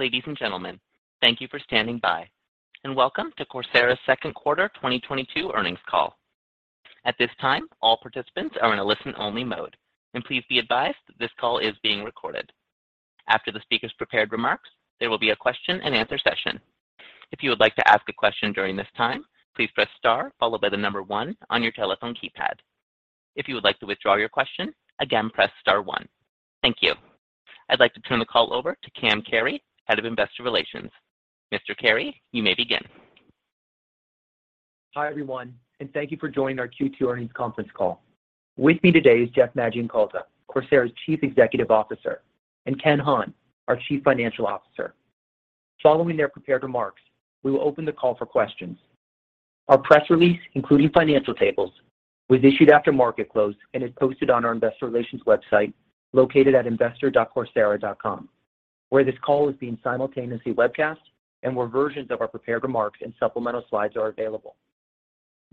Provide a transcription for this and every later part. Ladies and gentlemen, thank you for standing by, and welcome to Coursera's second quarter 2022 earnings call. At this time, all participants are in a listen-only mode. Please be advised that this call is being recorded. After the speaker's prepared remarks, there will be a question-and-answer session. If you would like to ask a question during this time, please press star followed by the number one on your telephone keypad. If you would like to withdraw your question, again, press star one. Thank you. I'd like to turn the call over to Cam Carey, Head of Investor Relations. Mr. Carey, you may begin. Hi, everyone, and thank you for joining our Q2 earnings conference call. With me today is Jeff Maggioncalda, Coursera's Chief Executive Officer, and Ken Hahn, our Chief Financial Officer. Following their prepared remarks, we will open the call for questions. Our press release, including financial tables, was issued after market close and is posted on our Investor Relations website located at investor.coursera.com, where this call is being simultaneously webcast and where versions of our prepared remarks and supplemental slides are available.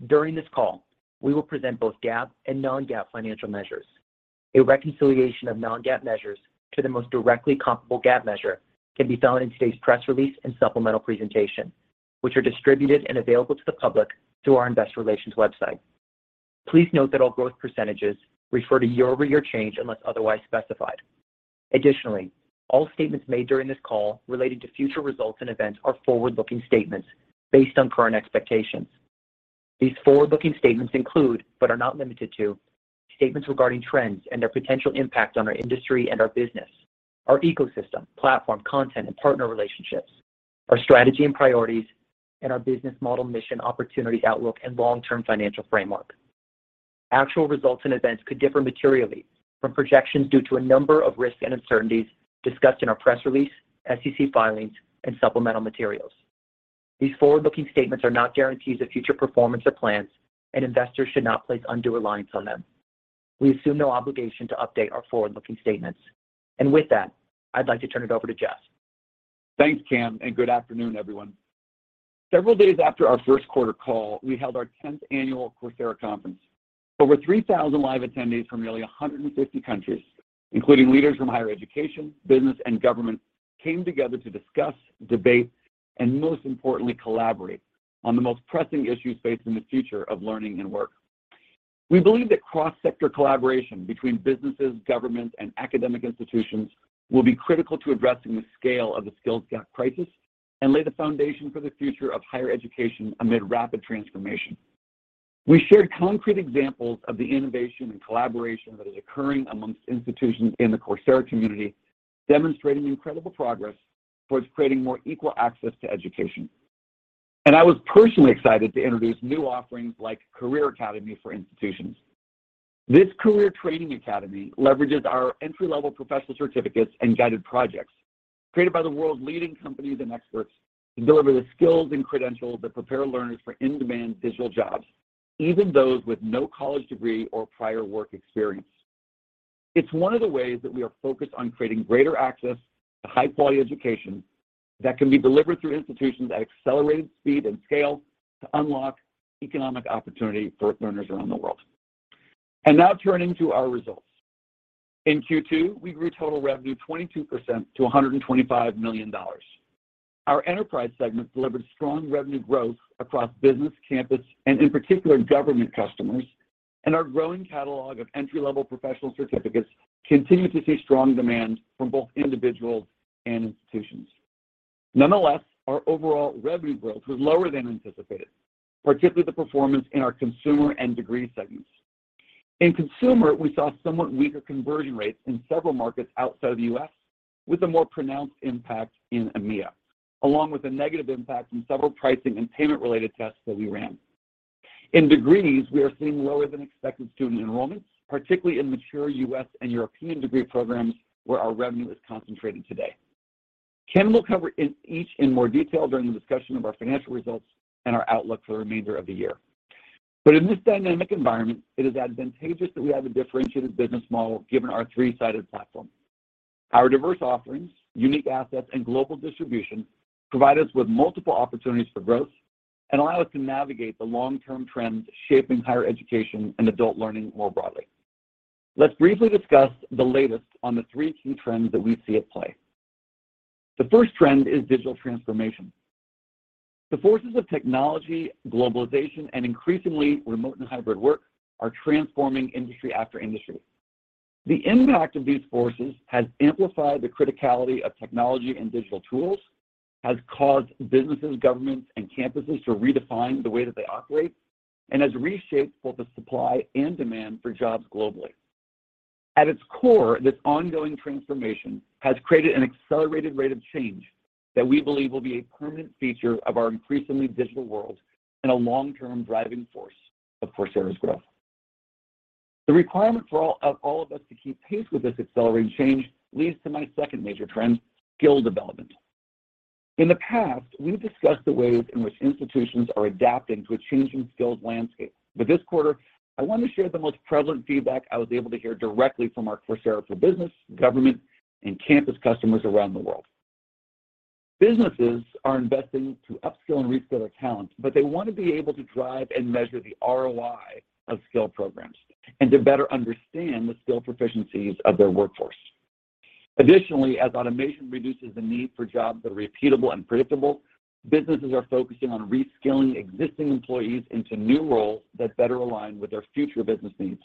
During this call, we will present both GAAP and non-GAAP financial measures. A reconciliation of non-GAAP measures to the most directly comparable GAAP measure can be found in today's press release and supplemental presentation, which are distributed and available to the public through our Investor Relations website. Please note that all growth percentages refer to year-over-year change unless otherwise specified. Additionally, all statements made during this call relating to future results and events are forward-looking statements based on current expectations. These forward-looking statements include, but are not limited to, statements regarding trends and their potential impact on our industry and our business, our ecosystem, platform, content, and partner relationships, our strategy and priorities, and our business model, mission, opportunity, outlook, and long-term financial framework. Actual results and events could differ materially from projections due to a number of risks and uncertainties discussed in our press release, SEC filings, and supplemental materials. These forward-looking statements are not guarantees of future performance or plans, and investors should not place undue reliance on them. We assume no obligation to update our forward-looking statements. With that, I'd like to turn it over to Jeff. Thanks, Cam, and good afternoon, everyone. Several days after our first quarter call, we held our 10th Annual Coursera Conference. Over 3,000 live attendees from nearly 150 countries, including leaders from higher education, business, and government, came together to discuss, debate, and most importantly, collaborate on the most pressing issues facing the future of learning and work. We believe that cross-sector collaboration between businesses, governments, and academic institutions will be critical to addressing the scale of the skills gap crisis and lay the foundation for the future of higher education amid rapid transformation. We shared concrete examples of the innovation and collaboration that is occurring amongst institutions in the Coursera community, demonstrating incredible progress towards creating more equal access to education. I was personally excited to introduce new offerings like Career Academy for institutions. This career training academy leverages our entry-level Professional Certificates and guided projects created by the world's leading companies and experts to deliver the skills and credentials that prepare learners for in-demand digital jobs, even those with no college degree or prior work experience. It's one of the ways that we are focused on creating greater access to high-quality education that can be delivered through institutions at accelerated speed and scale to unlock economic opportunity for learners around the world. Now turning to our results. In Q2, we grew total revenue 22% to $125 million. Our enterprise segment delivered strong revenue growth across business, campus, and in particular, government customers. Our growing catalog of entry-level Professional Certificates continue to see strong demand from both individuals and institutions. Nonetheless, our overall revenue growth was lower than anticipated, particularly the performance in our Consumer and Degree segments. In Consumer, we saw somewhat weaker conversion rates in several markets outside the U.S., with a more pronounced impact in EMEA, along with a negative impact from several pricing and payment-related tests that we ran. In Degrees, we are seeing lower than expected student enrollment, particularly in mature U.S. and European degree programs where our revenue is concentrated today. Ken will cover each in more detail during the discussion of our financial results and our outlook for the remainder of the year. In this dynamic environment, it is advantageous that we have a differentiated business model given our three-sided platform. Our diverse offerings, unique assets, and global distribution provide us with multiple opportunities for growth and allow us to navigate the long-term trends shaping higher education and adult learning more broadly. Let's briefly discuss the latest on the three key trends that we see at play. The first trend is digital transformation. The forces of technology, globalization, and increasingly remote and hybrid work are transforming industry after industry. The impact of these forces has amplified the criticality of technology and digital tools, has caused businesses, governments, and campuses to redefine the way that they operate, and has reshaped both the supply and demand for jobs globally. At its core, this ongoing transformation has created an accelerated rate of change that we believe will be a permanent feature of our increasingly digital world and a long-term driving force of Coursera's growth. The requirement for all of us to keep pace with this accelerating change leads to my second major trend, skill development. In the past, we've discussed the ways in which institutions are adapting to a changing skills landscape. This quarter, I want to share the most prevalent feedback I was able to hear directly from our Coursera for Business, Government, and Campus customers around the world. Businesses are investing to upskill and reskill their talent, but they wanna be able to drive and measure the ROI of skill programs and to better understand the skill proficiencies of their workforce. Additionally, as automation reduces the need for jobs that are repeatable and predictable, businesses are focusing on reskilling existing employees into new roles that better align with their future business needs.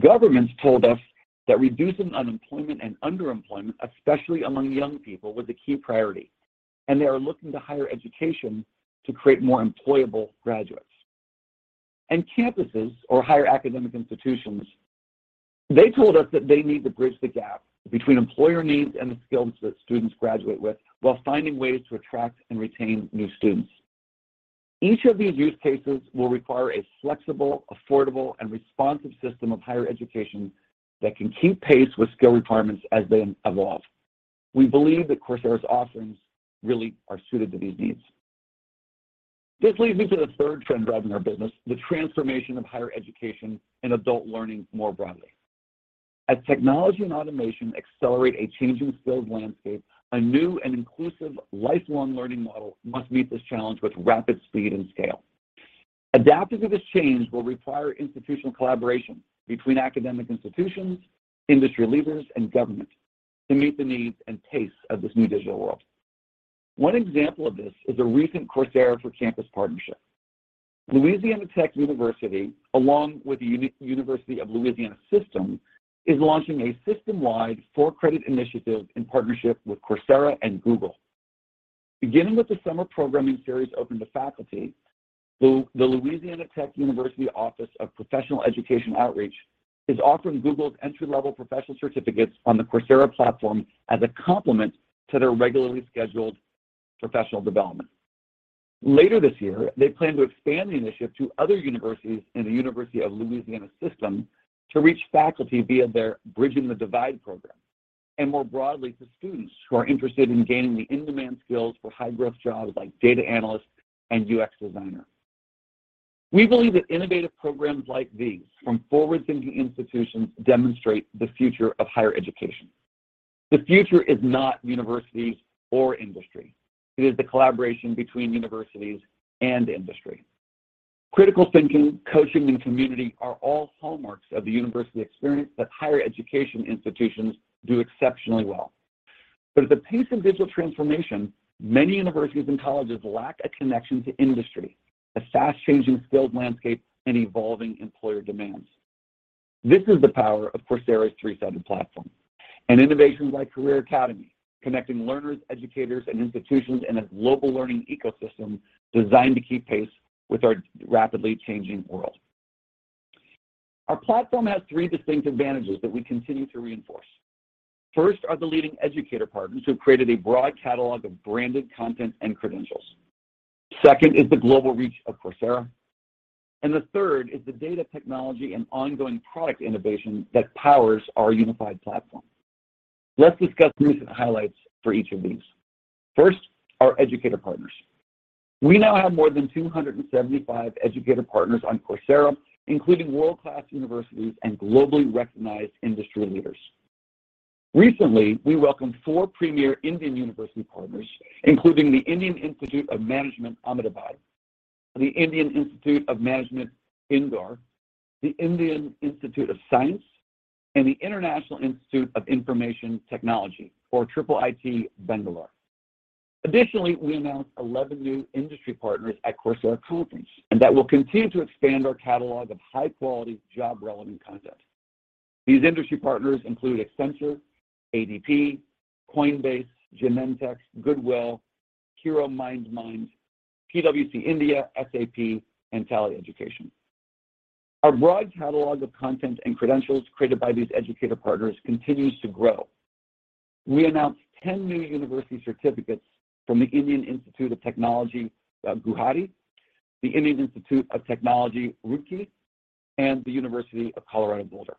Governments told us that reducing unemployment and underemployment, especially among young people, was a key priority, and they are looking to higher education to create more employable graduates. Campuses or higher academic institutions, they told us that they need to bridge the gap between employer needs and the skills that students graduate with while finding ways to attract and retain new students. Each of these use cases will require a flexible, affordable, and responsive system of higher education that can keep pace with skill requirements as they evolve. We believe that Coursera's offerings really are suited to these needs. This leads me to the third trend driving our business, the transformation of higher education and adult learning more broadly. As technology and automation accelerate a changing skills landscape, a new and inclusive lifelong learning model must meet this challenge with rapid speed and scale. Adapting to this change will require institutional collaboration between academic institutions, industry leaders, and government to meet the needs and pace of this new digital world. One example of this is a recent Coursera for Campus partnership. Louisiana Tech University, along with the University of Louisiana System, is launching a system-wide for-credit initiative in partnership with Coursera and Google. Beginning with the summer programming series open to faculty, the Louisiana Tech University Office of Professional Education Outreach is offering Google's entry-level Professional Certificates on the Coursera platform as a complement to their regularly scheduled professional development. Later this year, they plan to expand the initiative to other universities in the University of Louisiana System to reach faculty via their Bridging the Divide program, and more broadly to students who are interested in gaining the in-demand skills for high-growth jobs like data analysts and UX designer. We believe that innovative programs like these from forward-thinking institutions demonstrate the future of higher education. The future is not universities or industry. It is the collaboration between universities and industry. Critical thinking, coaching, and community are all hallmarks of the university experience that higher education institutions do exceptionally well. But at the pace of digital transformation, many universities and colleges lack a connection to industry, a fast-changing skills landscape, and evolving employer demands. This is the power of Coursera's three-sided platform and innovations like Career Academy, connecting learners, educators, and institutions in a global learning ecosystem designed to keep pace with our rapidly changing world. Our platform has three distinct advantages that we continue to reinforce. First are the leading educator partners who've created a broad catalog of branded content and credentials. Second is the global reach of Coursera. The third is the data technology and ongoing product innovation that powers our unified platform. Let's discuss recent highlights for each of these. First, our educator partners. We now have more than 275 educator partners on Coursera, including world-class universities and globally recognized industry leaders. Recently, we welcomed four premier Indian university partners, including the Indian Institute of Management Ahmedabad, the Indian Institute of Management Indore, the Indian Institute of Science, and the International Institute of Information Technology Bangalore, or IIIT Bangalore. Additionally, we announced 11 new industry partners at Coursera Conference, and that will continue to expand our catalog of high-quality, job-relevant content. These industry partners include Accenture, ADP, Coinbase, Genentech, Goodwill, Hero Mindmine, PwC India, SAP, and Tally Education. Our broad catalog of content and credentials created by these educator partners continues to grow. We announced 10 new university certificates from the Indian Institute of Technology Guwahati, the Indian Institute of Technology Roorkee, and the University of Colorado Boulder.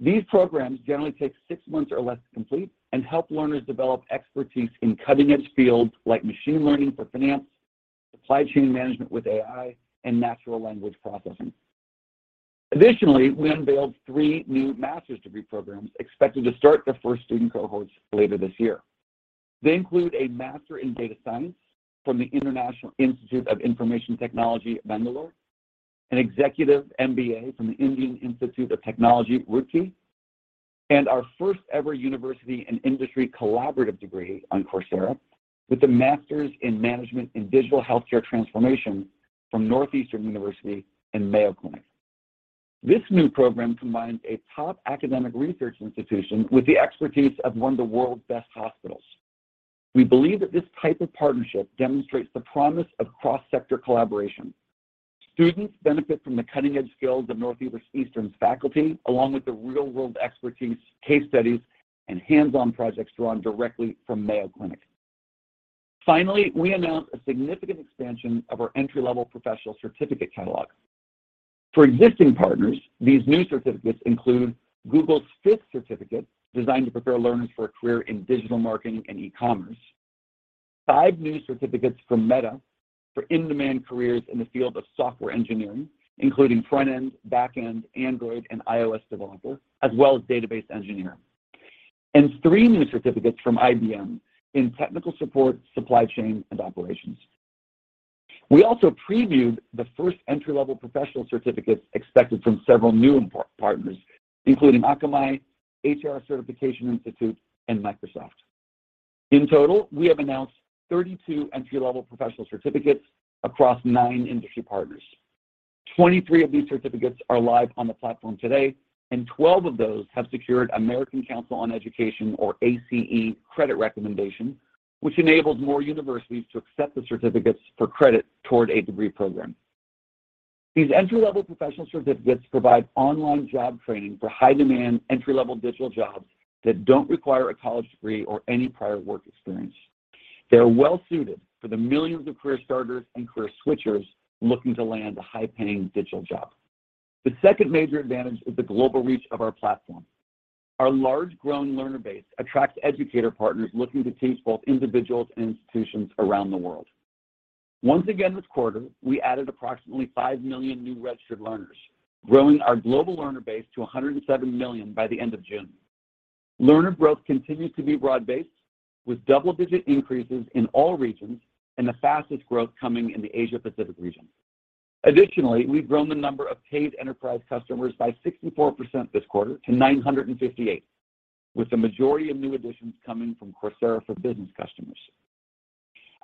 These programs generally take six months or less to complete and help learners develop expertise in cutting-edge fields like machine learning for finance, supply chain management with AI, and natural language processing. Additionally, we unveiled three new master's degree programs expected to start their first student cohorts later this year. They include a Master in Data Science from the International Institute of Information Technology Bangalore, an Executive MBA from the Indian Institute of Technology Roorkee, and our first ever university and industry collaborative degree on Coursera with the Masters in Management in Digital Healthcare Transformation from Northeastern University and Mayo Clinic. This new program combines a top academic research institution with the expertise of one of the world's best hospitals. We believe that this type of partnership demonstrates the promise of cross-sector collaboration. Students benefit from the cutting-edge skills of Northeastern's faculty, along with the real-world expertise, case studies, and hands-on projects drawn directly from Mayo Clinic. Finally, we announced a significant expansion of our entry-level professional certificate catalog. For existing partners, these new certificates include Google's fifth certificate designed to prepare learners for a career in digital marketing and e-commerce, five new certificates from Meta for in-demand careers in the field of software engineering, including Front-end, Back-end, Android, and iOS developer, as well as Database Engineer, and three new certificates from IBM in Technical Support, Supply Chain, and Operations. We also previewed the first entry-level professional certificates expected from several new important partners, including Akamai, HR Certification Institute, and Microsoft. In total, we have announced 32 entry-level professional certificates across nine industry partners. 23 of these certificates are live on the platform today, and 12 of those have secured American Council on Education, or ACE, credit recommendation, which enables more universities to accept the certificates for credit toward a degree program. These entry-level professional certificates provide online job training for high-demand, entry-level digital jobs that don't require a college degree or any prior work experience. They are well suited for the millions of career starters and career switchers looking to land a high-paying digital job. The second major advantage is the global reach of our platform. Our large growing learner base attracts educator partners looking to teach both individuals and institutions around the world. Once again this quarter, we added approximately 5 million new registered learners, growing our global learner base to 107 million by the end of June. Learner growth continues to be broad-based with double-digit increases in all regions and the fastest growth coming in the Asia-Pacific region. Additionally, we've grown the number of paid enterprise customers by 64% this quarter to 958, with the majority of new additions coming from Coursera for Business customers.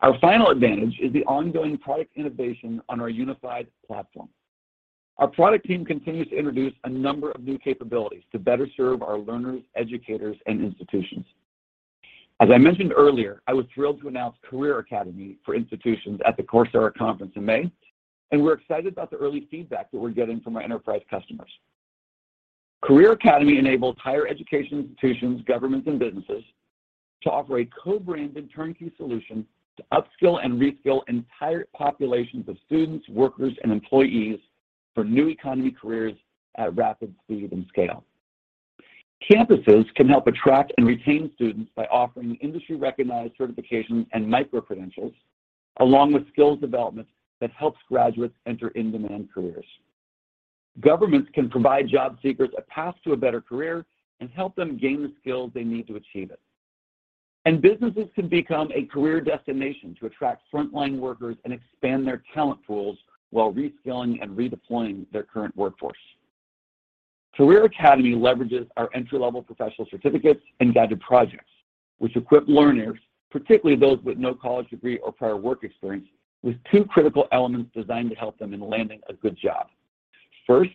Our final advantage is the ongoing product innovation on our unified platform. Our product team continues to introduce a number of new capabilities to better serve our learners, educators, and institutions. As I mentioned earlier, I was thrilled to announce Career Academy for institutions at the Coursera Conference in May, and we're excited about the early feedback that we're getting from our enterprise customers. Career Academy enables higher education institutions, governments, and businesses to offer a co-branded turnkey solution to upskill and reskill entire populations of students, workers, and employees for new economy careers at rapid speed and scale. Campuses can help attract and retain students by offering industry-recognized certifications and micro-credentials, along with skills development that helps graduates enter in-demand careers. Governments can provide job seekers a path to a better career and help them gain the skills they need to achieve it. Businesses can become a career destination to attract frontline workers and expand their talent pools while reskilling and redeploying their current workforce. Career Academy leverages our entry-level Professional Certificates and guided projects which equip learners, particularly those with no college degree or prior work experience, with two critical elements designed to help them in landing a good job. First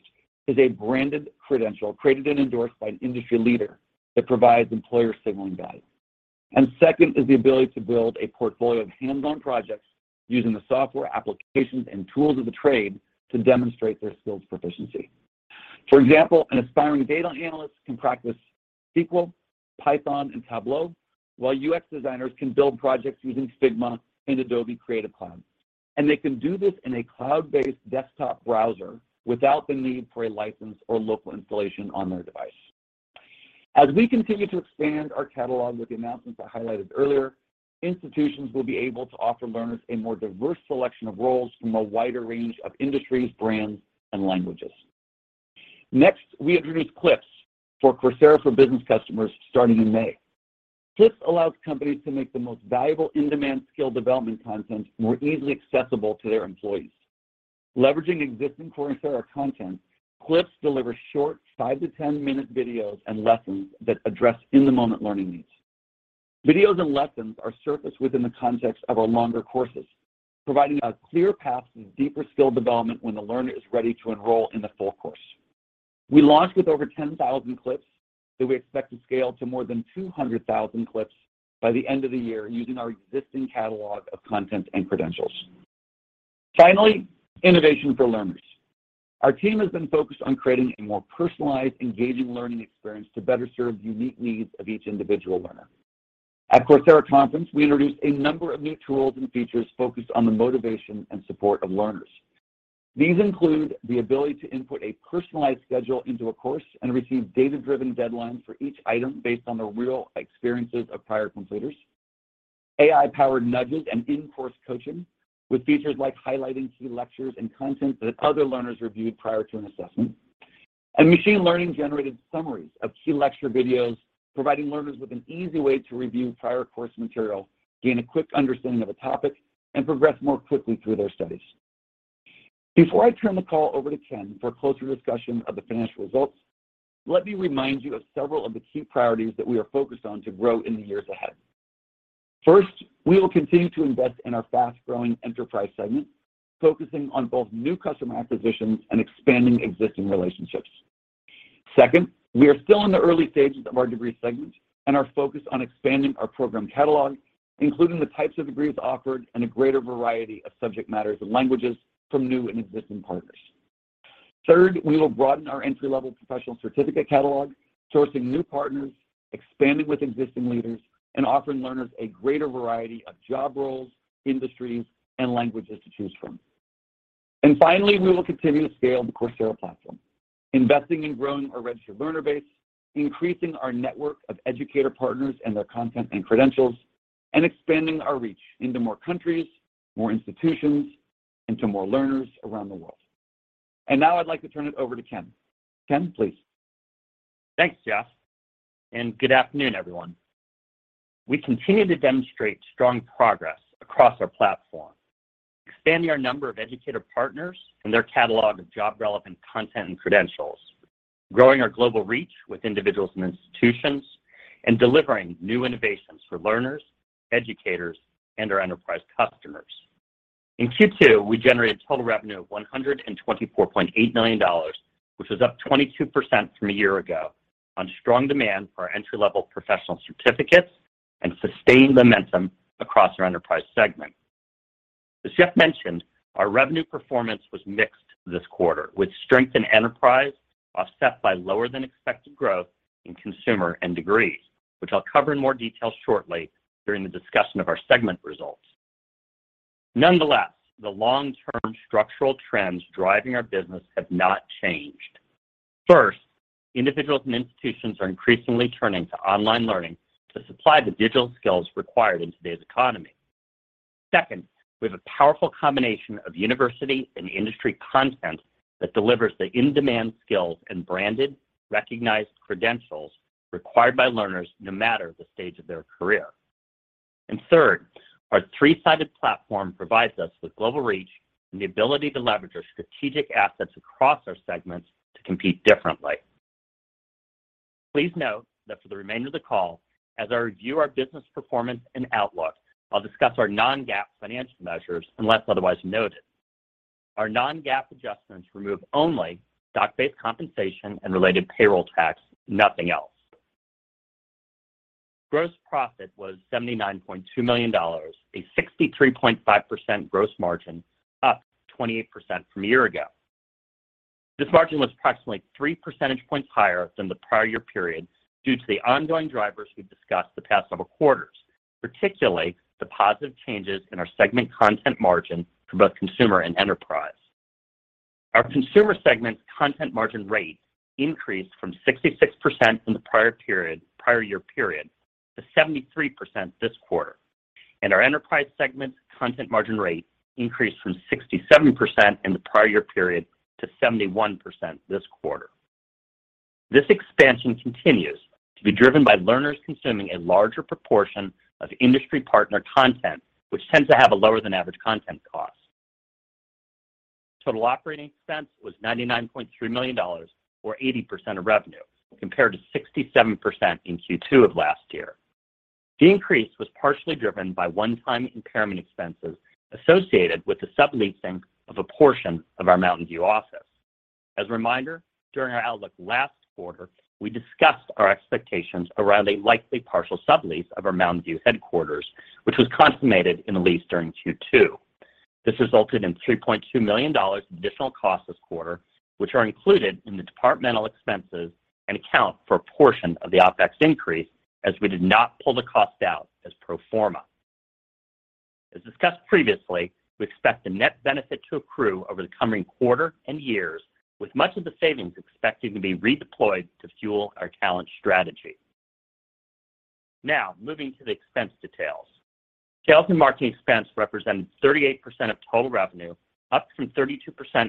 is a branded credential created and endorsed by an industry leader that provides employer signaling value. Second is the ability to build a portfolio of hands-on projects using the software applications and tools of the trade to demonstrate their skills proficiency. For example, an aspiring data analyst can practice SQL, Python, and Tableau, while UX designers can build projects using Figma and Adobe Creative Cloud. They can do this in a cloud-based desktop browser without the need for a license or local installation on their device. As we continue to expand our catalog with the announcements I highlighted earlier, institutions will be able to offer learners a more diverse selection of roles from a wider range of industries, brands, and languages. Next, we introduced Clips for Coursera for Business customers starting in May. Clips allows companies to make the most valuable in-demand skill development content more easily accessible to their employees. Leveraging existing Coursera content, Clips delivers short five to-10-minute videos and lessons that address in-the-moment learning needs. Videos and lessons are surfaced within the context of our longer courses, providing a clear path to deeper skill development when the learner is ready to enroll in the full course. We launched with over 10,000 clips that we expect to scale to more than 200,000 clips by the end of the year using our existing catalog of content and credentials. Finally, innovation for learners. Our team has been focused on creating a more personalized, engaging learning experience to better serve the unique needs of each individual learner. At Coursera Conference, we introduced a number of new tools and features focused on the motivation and support of learners. These include the ability to input a personalized schedule into a course and receive data-driven deadlines for each item based on the real experiences of prior completers. AI-powered nudges and in-course coaching with features like highlighting key lectures and content that other learners reviewed prior to an assessment. Machine learning-generated summaries of key lecture videos, providing learners with an easy way to review prior course material, gain a quick understanding of a topic, and progress more quickly through their studies. Before I turn the call over to Ken for a closer discussion of the financial results, let me remind you of several of the key priorities that we are focused on to grow in the years ahead. First, we will continue to invest in our fast-growing enterprise segment, focusing on both new customer acquisitions and expanding existing relationships. Second, we are still in the early stages of our Degree segment and are focused on expanding our program catalog, including the types of degrees offered and a greater variety of subject matters and languages from new and existing partners. Third, we will broaden our entry-level Professional Certificate catalog, sourcing new partners, expanding with existing leaders, and offering learners a greater variety of job roles, industries, and languages to choose from. Finally, we will continue to scale the Coursera platform, investing in growing our registered learner base, increasing our network of educator partners and their content and credentials, and expanding our reach into more countries, more institutions, and to more learners around the world. Now I'd like to turn it over to Ken. Ken, please. Thanks, Jeff, and good afternoon, everyone. We continue to demonstrate strong progress across our platform, expanding our number of educator partners and their catalog of job-relevant content and credentials, growing our global reach with individuals and institutions, and delivering new innovations for learners, educators, and our Enterprise customers. In Q2, we generated total revenue of $124.8 million, which was up 22% from a year ago on strong demand for our entry-level Professional Certificates and sustained momentum across our Enterprise segment. As Jeff mentioned, our revenue performance was mixed this quarter, with strength in enterprise offset by lower-than-expected growth in Consumer and Degrees, which I'll cover in more detail shortly during the discussion of our segment results. Nonetheless, the long-term structural trends driving our business have not changed. First, individuals and institutions are increasingly turning to online learning to supply the digital skills required in today's economy. Second, we have a powerful combination of university and industry content that delivers the in-demand skills and branded, recognized credentials required by learners no matter the stage of their career. Third, our three-sided platform provides us with global reach and the ability to leverage our strategic assets across our segments to compete differently. Please note that for the remainder of the call, as I review our business performance and outlook, I'll discuss our non-GAAP financial measures unless otherwise noted. Our non-GAAP adjustments remove only stock-based compensation and related payroll tax, nothing else. Gross profit was $79.2 million, a 63.5% gross margin, up 28% from a year ago. This margin was approximately 3 percentage points higher than the prior year period due to the ongoing drivers we've discussed the past several quarters, particularly the positive changes in our segment content margin for both Consumer and Enterprise. Our Consumer segment's content margin rate increased from 66% in the prior-year period to 73% this quarter. Our Enterprise segment content margin rate increased from 67% in the prior year period to 71% this quarter. This expansion continues to be driven by learners consuming a larger proportion of industry partner content, which tends to have a lower than average content cost. Total operating expense was $99.3 million or 80% of revenue, compared to 67% in Q2 of last year. The increase was partially driven by one-time impairment expenses associated with the subleasing of a portion of our Mountain View office. As a reminder, during our outlook last quarter, we discussed our expectations around a likely partial sublease of our Mountain View headquarters, which was consummated in a lease during Q2. This resulted in $3.2 million in additional costs this quarter, which are included in the departmental expenses and account for a portion of the Opex increase as we did not pull the cost out as pro forma. As discussed previously, we expect a net benefit to accrue over the coming quarter and years, with much of the savings expected to be redeployed to fuel our talent strategy. Now, moving to the expense details. Sales and marketing expense represented 38% of total revenue, up from 32%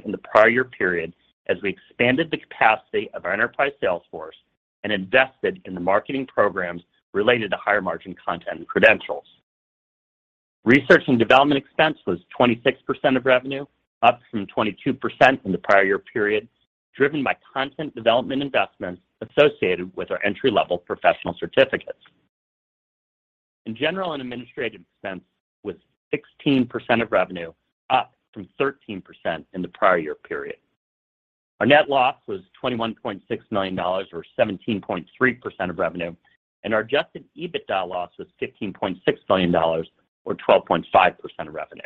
in the prior year period as we expanded the capacity of our enterprise sales force and invested in the marketing programs related to higher margin content and credentials. Research and development expense was 26% of revenue, up from 22% in the prior year period, driven by content development investments associated with our entry-level Professional Certificates. General and administrative expense was 16% of revenue, up from 13% in the prior year period. Our net loss was $21.6 million or 17.3% of revenue, and our adjusted EBITDA loss was $15.6 million or 12.5% of revenue.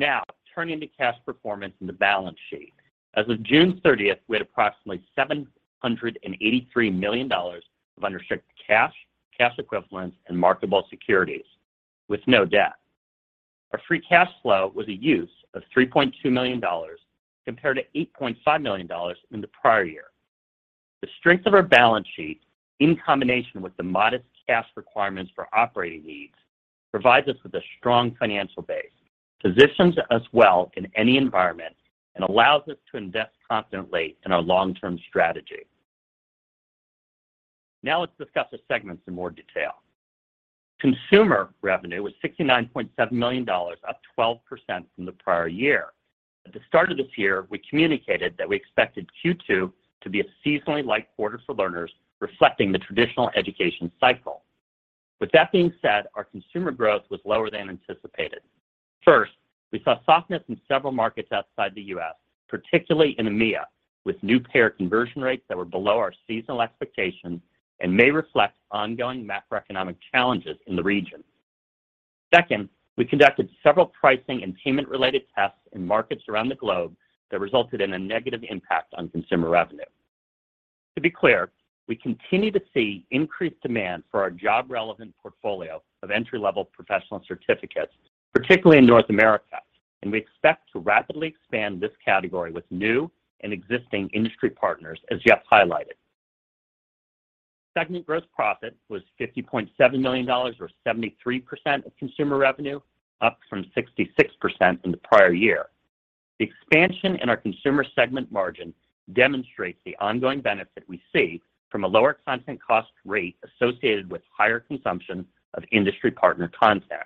Now, turning to cash performance and the balance sheet. As of June 30th, we had approximately $783 million of unrestricted cash equivalents, and marketable securities, with no debt. Our free cash flow was a use of $3.2 million compared to $8.5 million in the prior year. The strength of our balance sheet, in combination with the modest cash requirements for operating needs, provides us with a strong financial base, positions us well in any environment, and allows us to invest confidently in our long-term strategy. Now let's discuss the segments in more detail. Consumer revenue was $69.7 million, up 12% from the prior year. At the start of this year, we communicated that we expected Q2 to be a seasonally light quarter for learners, reflecting the traditional education cycle. With that being said, our Consumer growth was lower-than-anticipated. First, we saw softness in several markets outside the U.S., particularly in EMEA, with new payer conversion rates that were below our seasonal expectations and may reflect ongoing macroeconomic challenges in the region. Second, we conducted several pricing and payment-related tests in markets around the globe that resulted in a negative impact on Consumer revenue. To be clear, we continue to see increased demand for our job-relevant portfolio of entry-level Professional Certificates, particularly in North America, and we expect to rapidly expand this category with new and existing industry partners, as Jeff highlighted. Segment gross profit was $50.7 million or 73% of consumer revenue, up from 66% in the prior year. The expansion in our Consumer segment margin demonstrates the ongoing benefit we see from a lower content cost rate associated with higher consumption of industry partner content.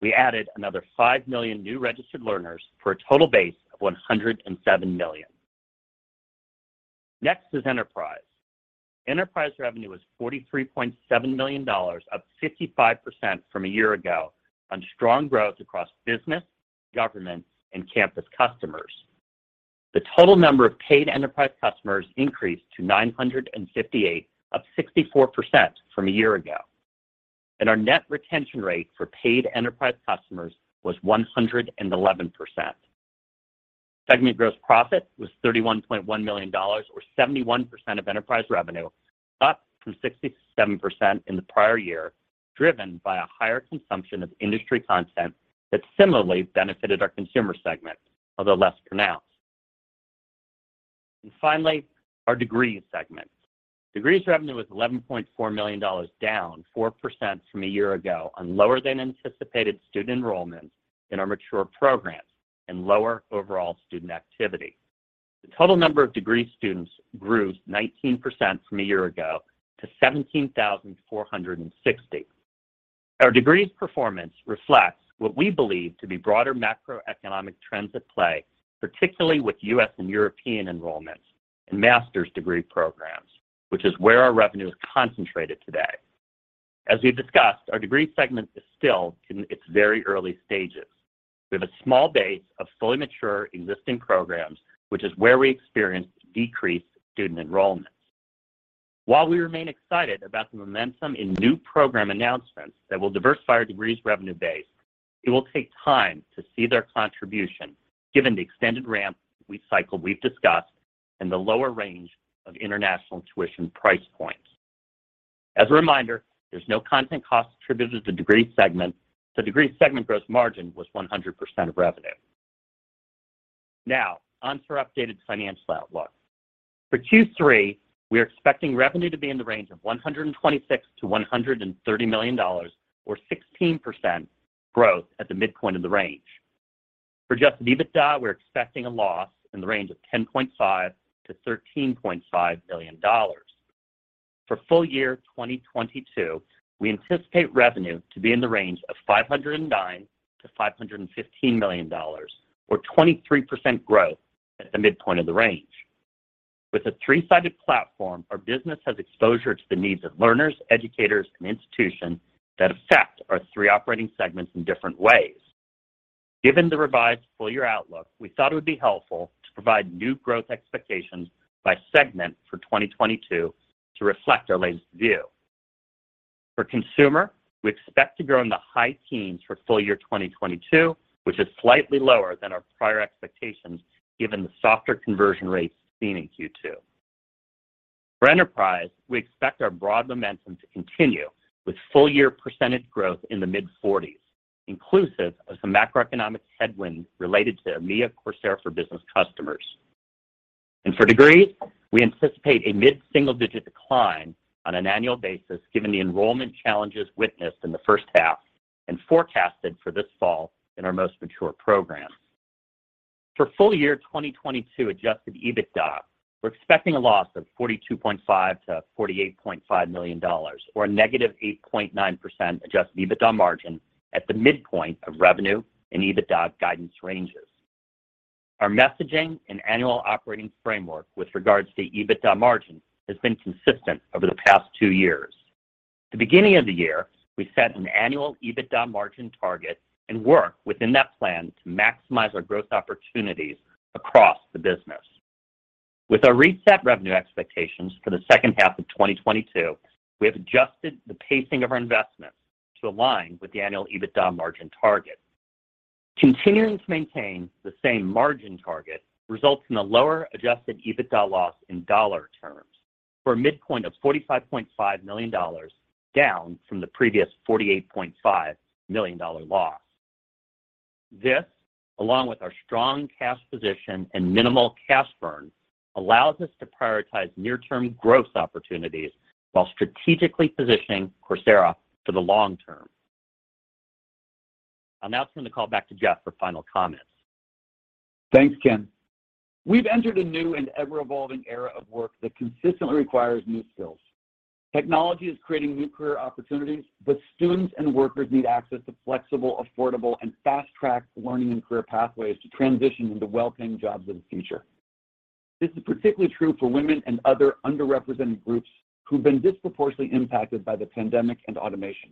We added another 5 million new registered learners for a total base of 107 million. Next is Enterprise. Enterprise revenue was $43.7 million, up 55% from a year ago on strong growth across business, government and campus customers. The total number of paid enterprise customers increased to 958, up 64% from a year ago. Our net retention rate for paid enterprise customers was 111%. Segment gross profit was $31.1 million, or 71% of enterprise revenue, up from 67% in the prior year, driven by a higher consumption of industry content that similarly benefited our Consumer segment, although less pronounced. Finally, our Degrees segment. Degrees revenue was $11.4 million, down 4% from a year ago on lower- than-anticipated student enrollment in our mature programs and lower overall student activity. The total number of Degree students grew 19% from a year ago to 17,460. Our Degrees performance reflects what we believe to be broader macroeconomic trends at play, particularly with U.S. and European enrollments in master's degree programs, which is where our revenue is concentrated today. As we've discussed, our Degree segment is still in its very early stages. We have a small base of fully mature existing programs, which is where we experienced decreased student enrollment. While we remain excited about the momentum in new program announcements that will diversify our Degrees revenue base, it will take time to see their contribution given the extended ramp cycle we've discussed and the lower range of international tuition price points. As a reminder, there's no content cost attributed to Degree segment, so Degree segment gross margin was 100% of revenue. Now on to our updated financial outlook. For Q3, we are expecting revenue to be in the range of $126 million-$130 million, or 16% growth at the midpoint of the range. For adjusted EBITDA, we're expecting a loss in the range of $10.5 million-$13.5 million. For full year 2022, we anticipate revenue to be in the range of $509 million-$515 million, or 23% growth at the midpoint of the range. With a three-sided platform, our business has exposure to the needs of learners, educators, and institutions that affect our three operating segments in different ways. Given the revised full-year outlook, we thought it would be helpful to provide new growth expectations by segment for 2022 to reflect our latest view. For Consumer, we expect to grow in the high teens for full year 2022, which is slightly lower than our prior expectations given the softer conversion rates seen in Q2. For Enterprise, we expect our broad momentum to continue with full year percentage growth in the mid-forties, inclusive of some macroeconomic headwinds related to EMEA Coursera for Business customers. For Degree, we anticipate a mid-single-digit decline on an annual basis given the enrollment challenges witnessed in the first half and forecasted for this fall in our most mature programs. For full year 2022 adjusted EBITDA, we're expecting a loss of $42.5 million-$48.5 million or a -8.9% adjusted EBITDA margin at the midpoint of revenue and EBITDA guidance ranges. Our messaging and annual operating framework with regards to EBITDA margin has been consistent over the past two years. At the beginning of the year, we set an annual EBITDA margin target and work within that plan to maximize our growth opportunities across the business. With our reset revenue expectations for the second half of 2022, we have adjusted the pacing of our investments to align with the annual EBITDA margin target. Continuing to maintain the same margin target results in a lower adjusted EBITDA loss in dollar terms for a midpoint of $45.5 million, down from the previous $48.5 million loss. This, along with our strong cash position and minimal cash burn, allows us to prioritize near-term growth opportunities while strategically positioning Coursera for the long-term. I'll now turn the call back to Jeff for final comments. Thanks, Ken. We've entered a new and ever-evolving era of work that consistently requires new skills. Technology is creating new career opportunities, but students and workers need access to flexible, affordable, and fast-track learning and career pathways to transition into well-paying jobs of the future. This is particularly true for women and other underrepresented groups who've been disproportionately impacted by the pandemic and automation.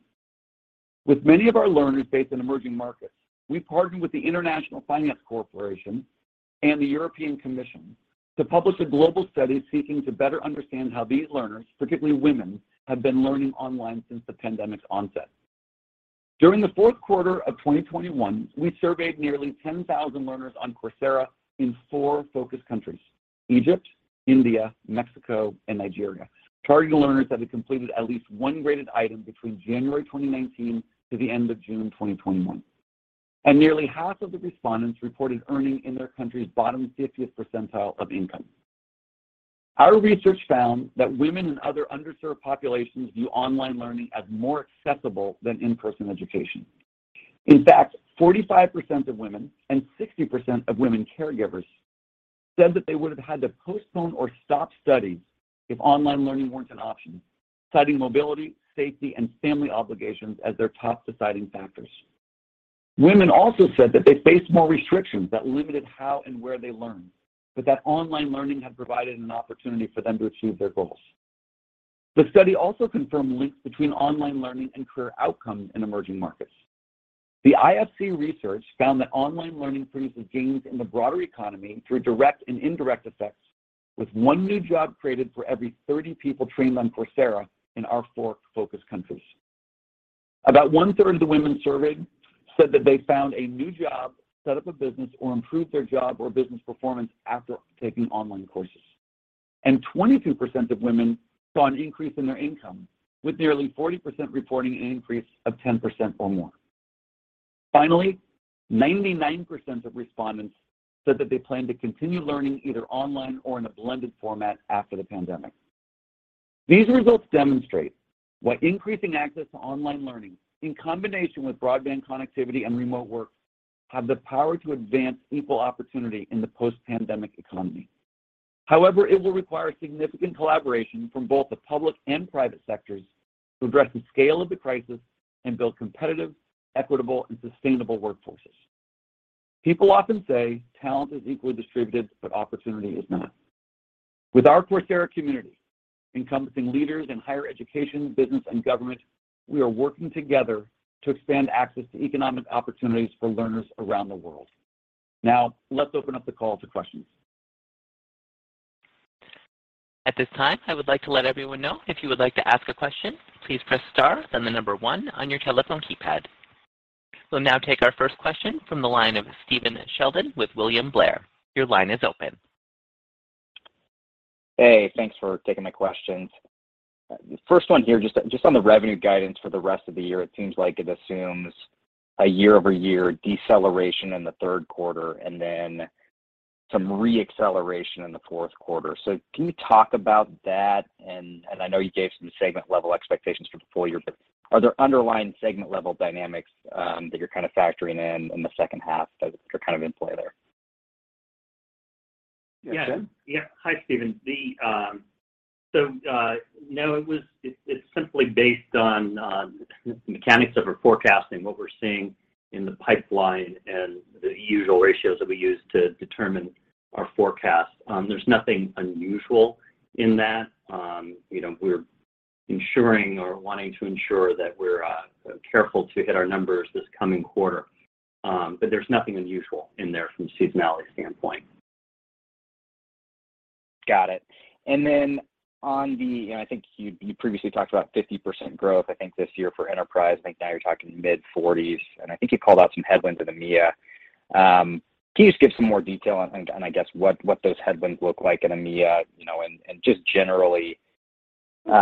With many of our learners based in emerging markets, we've partnered with the International Finance Corporation and the European Commission to publish a global study seeking to better understand how these learners, particularly women, have been learning online since the pandemic's onset. During the fourth quarter of 2021, we surveyed nearly 10,000 learners on Coursera in four focus countries, Egypt, India, Mexico, and Nigeria, targeting learners that had completed at least one graded item between January 2019 to the end of June 2021. Nearly half of the respondents reported earning in their country's bottom fiftieth percentile of income. Our research found that women in other underserved populations view online learning as more accessible than in-person education. In fact, 45% of women and 60% of women caregivers said that they would have had to postpone or stop studies if online learning weren't an option, citing mobility, safety, and family obligations as their top deciding factors. Women also said that they faced more restrictions that limited how and where they learned, but that online learning had provided an opportunity for them to achieve their goals. The study also confirmed links between online learning and career outcomes in emerging markets. The IFC research found that online learning produces gains in the broader economy through direct and indirect effects, with one new job created for every 30 people trained on Coursera in our four focus countries. About one-third of the women surveyed said that they found a new job, set up a business, or improved their job or business performance after taking online courses. 22% of women saw an increase in their income, with nearly 40% reporting an increase of 10% or more. Finally, 99% of respondents said that they plan to continue learning either online or in a blended format after the pandemic. These results demonstrate why increasing access to online learning in combination with broadband connectivity and remote work have the power to advance equal opportunity in the post-pandemic economy. However, it will require significant collaboration from both the public and private sectors to address the scale of the crisis and build competitive, equitable, and sustainable workforces. People often say talent is equally distributed, but opportunity is not. With our Coursera community, encompassing leaders in higher education, business, and government, we are working together to expand access to economic opportunities for learners around the world. Now, let's open up the call to questions. At this time, I would like to let everyone know if you would like to ask a question, please press star, then the number one on your telephone keypad. We'll now take our first question from the line of Stephen Sheldon with William Blair. Your line is open. Hey, thanks for taking my questions. First one here, just on the revenue guidance for the rest of the year, it seems like it assumes a year-over-year deceleration in the third quarter and then some re-acceleration in the fourth quarter. Can you talk about that? I know you gave some segment-level expectations for the full year, but are there underlying segment-level dynamics that you're kind of factoring in in the second half that are kind of in play there? Yeah. Ken? Yeah. Hi, Stephen. No, it's simply based on mechanics of our forecasting, what we're seeing in the pipeline and the usual ratios that we use to determine our forecast. There's nothing unusual in that. You know, we're ensuring or wanting to ensure that we're careful to hit our numbers this coming quarter. There's nothing unusual in there from a seasonality standpoint. Got it. Then on the, I think you previously talked about 50% growth, I think, this year for enterprise. I think now you're talking mid-40%, and I think you called out some headwinds in EMEA. Can you just give some more detail on, I guess, what those headwinds look like in EMEA, you know, and just generally, you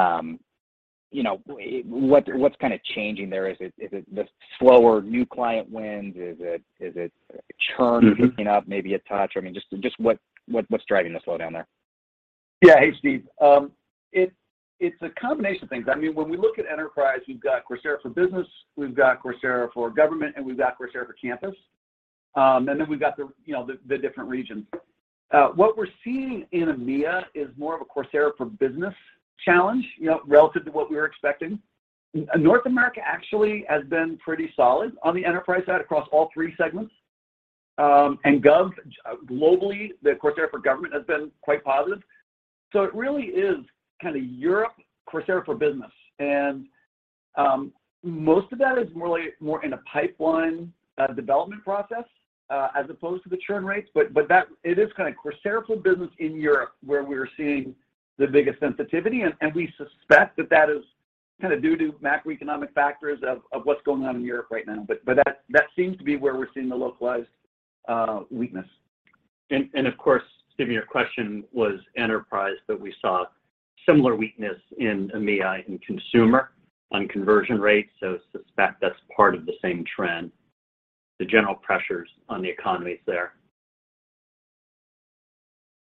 know, what's kind of changing there? Is it the slower new client wins? Is it churn? Mm-hmm. Picking up maybe a touch? I mean, just what's driving the slowdown there? Yeah. Hey, Steve. It's a combination of things. I mean, when we look at enterprise, we've got Coursera for Business, we've got Coursera for Government, and we've got Coursera for Campus. Then we've got you know, the different regions. What we're seeing in EMEA is more of a Coursera for Business challenge, you know, relative to what we were expecting. North America actually has been pretty solid on the enterprise side across all three segments. Government, globally, the Coursera for Government has been quite positive. It really is kinda Europe, Coursera for Business. Most of that is more, like, more in a pipeline development process as opposed to the churn rates. But that it is kinda Coursera for Business in Europe where we're seeing the biggest sensitivity. We suspect that is kinda due to macroeconomic factors of what's going on in Europe right now. That seems to be where we're seeing the localized weakness. Of course, Steven, your question was Enterprise, but we saw similar weakness in EMEA in consumer on conversion rates, so suspect that's part of the same trend, the general pressures on the economies there.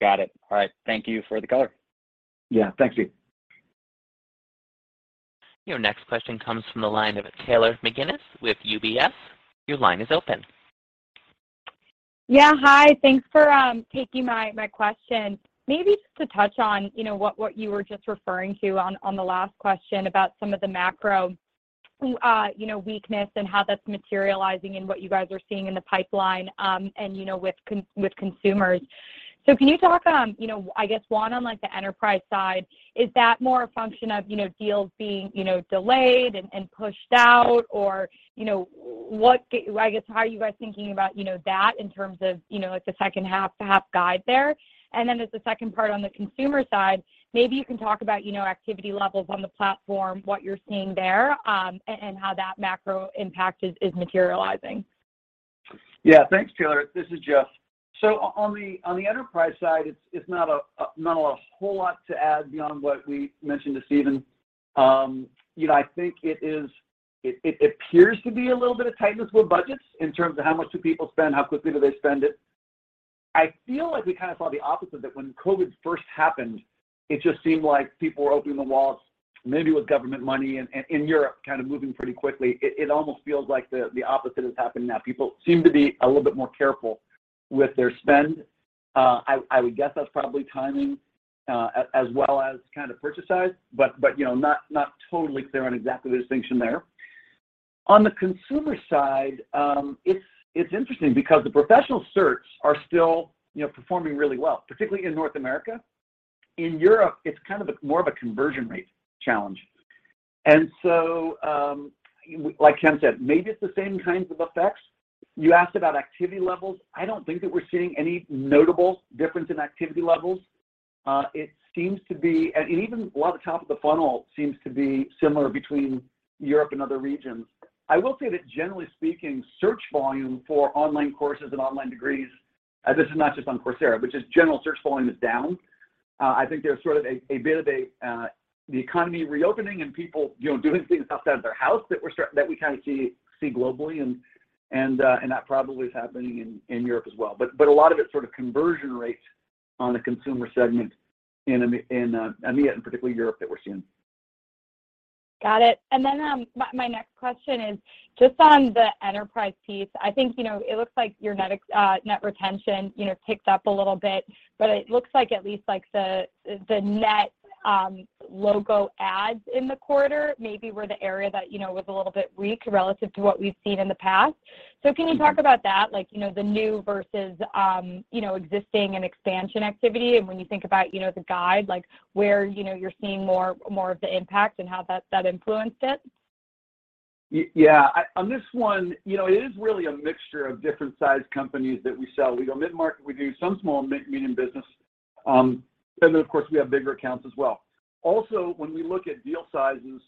Got it. All right. Thank you for the color. Yeah. Thanks, Steve. Your next question comes from the line of Taylor McGinnis with UBS. Your line is open. Hi. Thanks for taking my question. Maybe just to touch on, you know, what you were just referring to on the last question about some of the macro, you know, weakness and how that's materializing in what you guys are seeing in the pipeline, and, you know, with consumers. Can you talk on, you know, I guess, one, on like the Enterprise side, is that more a function of, you know, deals being, you know, delayed and pushed out? Or, you know, what I guess, how are you guys thinking about, you know, that in terms of, you know, like the second half guide there? Then as the second part on the Consumer side, maybe you can talk about, you know, activity levels on the platform, what you're seeing there, and how that macro impact is materializing. Yeah. Thanks, Taylor. This is Jeff. On the enterprise side, it's not a whole lot to add beyond what we mentioned to Stephen. You know, I think it appears to be a little bit of tightness with budgets in terms of how much do people spend, how quickly do they spend it. I feel like we kind of saw the opposite that when COVID first happened, it just seemed like people were opening the wallets maybe with government money and in Europe kind of moving pretty quickly. It almost feels like the opposite is happening now. People seem to be a little bit more careful with their spend. I would guess that's probably timing, as well as kind of purchase size, but you know, not totally clear on exactly the distinction there. On the Consumer side, it's interesting because the professional certs are still, you know, performing really well, particularly in North America. In Europe, it's kind of a more of a conversion rate challenge. Like Ken said, maybe it's the same kinds of effects. You asked about activity levels. I don't think that we're seeing any notable difference in activity levels. It seems to be even a lot of the top of the funnel seems to be similar between Europe and other regions. I will say that generally speaking, search volume for online courses and online degrees, this is not just on Coursera, but just general search volume is down. I think there's sort of a bit of a the economy reopening and people, you know, doing things outside of their house that we kinda see globally and that probably is happening in Europe as well. A lot of it's sort of conversion rates on the Consumer segment in EMEA and particularly Europe that we're seeing. Got it. My next question is just on the Enterprise piece. I think, you know, it looks like your net retention, you know, ticked up a little bit, but it looks like at least like the net logo adds in the quarter maybe were the area that, you know, was a little bit weak relative to what we've seen in the past. Mm-hmm. Can you talk about that, like, you know, the new versus, you know, existing and expansion activity, and when you think about, you know, the guide, like where, you know, you're seeing more of the impact and how that influenced it? Yeah. On this one, you know, it is really a mixture of different sized companies that we sell. We go mid-market, we do some small to mid medium business, and then of course we have bigger accounts as well. Also, when we look at deal sizes,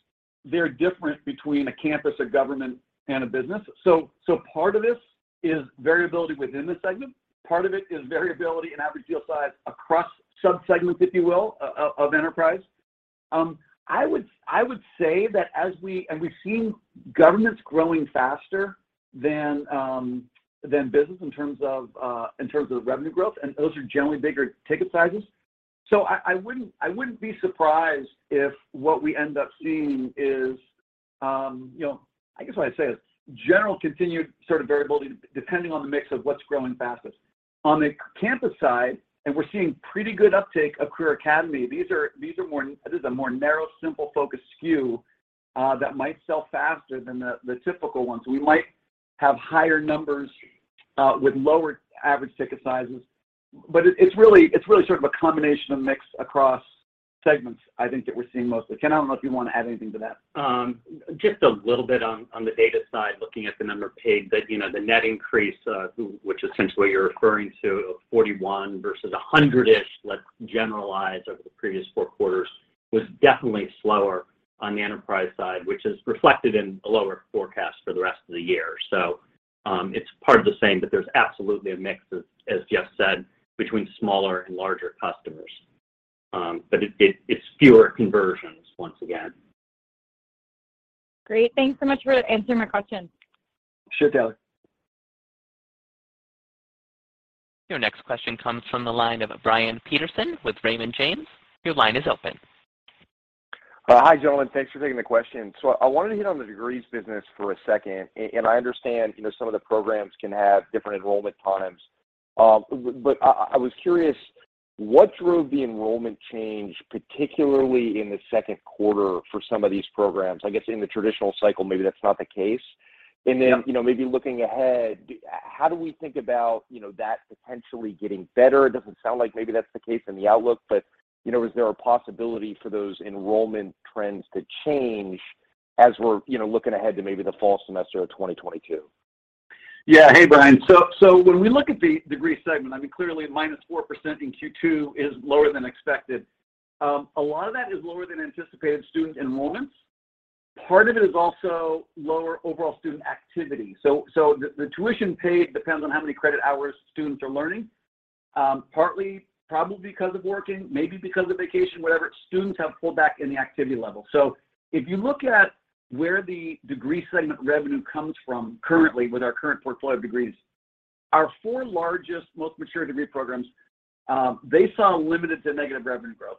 they're different between a Campus, a Government, and a Business. Part of this is variability within the segment, part of it is variability in average deal size across sub-segments, if you will, of Enterprise. I would say that and we've seen governments growing faster than business in terms of revenue growth, and those are generally bigger ticket sizes. I wouldn't be surprised if what we end up seeing is, you know. I guess what I'd say is general continued sort of variability depending on the mix of what's growing fastest. On the Campus side, we're seeing pretty good uptake of Career Academy. These are more. This is a more narrow, simple, focused SKU that might sell faster than the typical ones. We might have higher numbers with lower average ticket sizes. It's really sort of a combination of mix across segments I think that we're seeing mostly. Ken, I don't know if you wanna add anything to that. Just a little bit on the data side, looking at the number paid that, you know, the net increase, which essentially you're referring to of 41 versus 100-ish, let's generalize, over the previous four quarters, was definitely slower on the enterprise side, which is reflected in a lower forecast for the rest of the year. It's part of the same, but there's absolutely a mix of, as Jeff said, between smaller and larger customers. It's fewer conversions once again. Great. Thanks so much for answering my question. Sure, Taylor. Your next question comes from the line of Brian Peterson with Raymond James. Your line is open. Hi gentlemen, thanks for taking the question. I wanted to hit on the degrees business for a second. I understand, you know, some of the programs can have different enrollment times, but I was curious what drove the enrollment change, particularly in the second quarter for some of these programs? I guess in the traditional cycle, maybe that's not the case. Yeah. You know, maybe looking ahead, how do we think about, you know, that potentially getting better? It doesn't sound like maybe that's the case in the outlook, but, you know, is there a possibility for those enrollment trends to change as we're, you know, looking ahead to maybe the fall semester of 2022? Hey, Brian. When we look at the Degree segment, I mean, clearly -4% in Q2 is lower than expected. A lot of that is lower than anticipated student enrollments. Part of it is also lower overall student activity. The tuition paid depends on how many credit hours students are learning. Partly probably because of working, maybe because of vacation, whatever, students have pulled back in the activity level. If you look at where the Degree segment revenue comes from currently with our current portfolio of degrees, our four largest, most mature Degree programs, they saw limited to negative revenue growth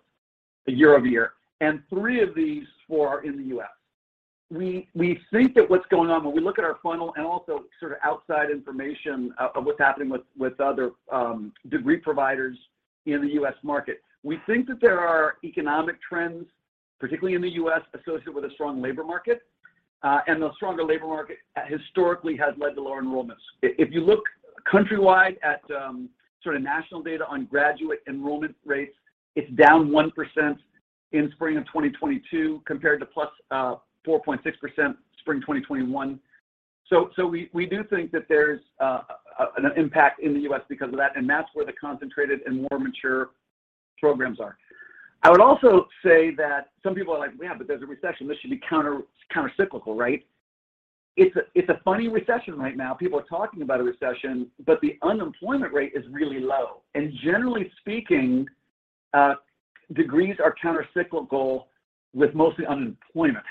year-over-year, and three of these four are in the U.S. We think that what's going on when we look at our funnel and also sort of outside information of what's happening with other degree providers in the U.S. market. We think that there are economic trends, particularly in the U.S., associated with a strong labor market, and the stronger labor market historically has led to lower enrollments. If you look countrywide at sort of national data on graduate enrollment rates, it's down 1% in spring of 2022 compared to +4.6% spring 2021. We do think that there's an impact in the U.S. because of that, and that's where the concentrated and more mature programs are. I would also say that some people are like, "Yeah, but there's a recession. This should be countercyclical, right? It's a funny recession right now. People are talking about a recession, but the unemployment rate is really low. Generally speaking, degrees are countercyclical with mostly unemployment.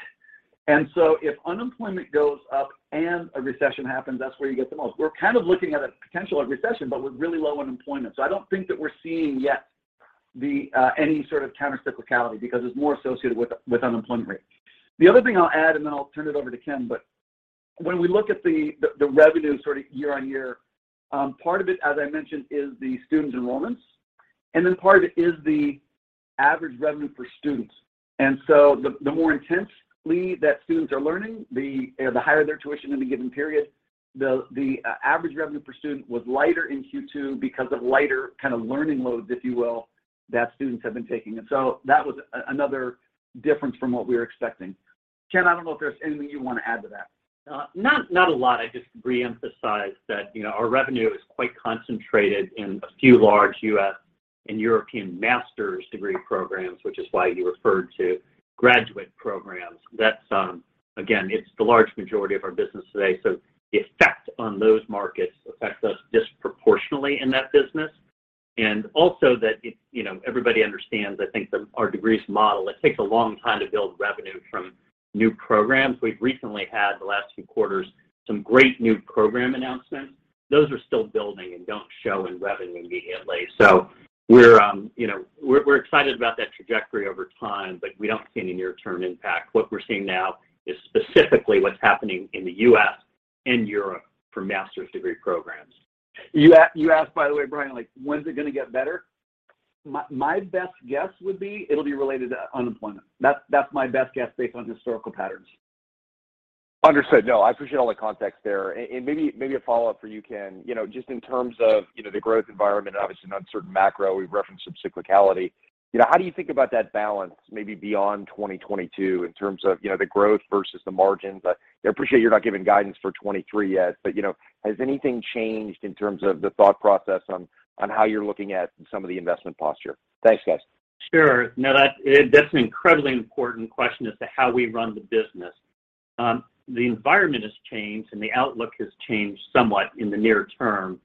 If unemployment goes up and a recession happens, that's where you get the most. We're kind of looking at a potential of recession, but with really low unemployment. I don't think that we're seeing yet any sort of countercyclicality because it's more associated with unemployment rate. The other thing I'll add, then I'll turn it over to Ken, but when we look at the revenue sort of year-on-year, part of it, as I mentioned, is the student enrollments, and then part of it is the average revenue per student. The more intensely that students are learning, the, you know, the higher their tuition in a given period, the average revenue per student was lighter in Q2 because of lighter kind of learning loads, if you will, that students have been taking. That was another difference from what we were expecting. Ken, I don't know if there's anything you want to add to that. Not a lot. I'd just reemphasize that, you know, our revenue is quite concentrated in a few large U.S. and European master's degree programs, which is why you referred to graduate programs. That's again, it's the large majority of our business today. The effect on those markets affects us disproportionately in that business. Also that if, you know, everybody understands, I think, our degrees model, it takes a long time to build revenue from new programs. We've recently had the last few quarters, some great new program announcements. Those are still building and don't show in revenue immediately. We're, you know, excited about that trajectory over time, but we don't see any near-term impact. What we're seeing now is specifically what's happening in the U.S. and Europe for master's degree programs. You asked, by the way, Brian, like, when's it gonna get better? My best guess would be it'll be related to unemployment. That's my best guess based on historical patterns. Understood. No, I appreciate all the context there. Maybe a follow-up for you, Ken. You know, just in terms of, you know, the growth environment, obviously an uncertain macro, we've referenced some cyclicality. You know, how do you think about that balance maybe beyond 2022 in terms of, you know, the growth versus the margins? I, you know, appreciate you're not giving guidance for 2023 yet, but, you know, has anything changed in terms of the thought process on how you're looking at some of the investment posture? Thanks, guys. Sure. No, that's it. That's an incredibly important question as to how we run the business. The environment has changed and the outlook has changed somewhat in the near-term.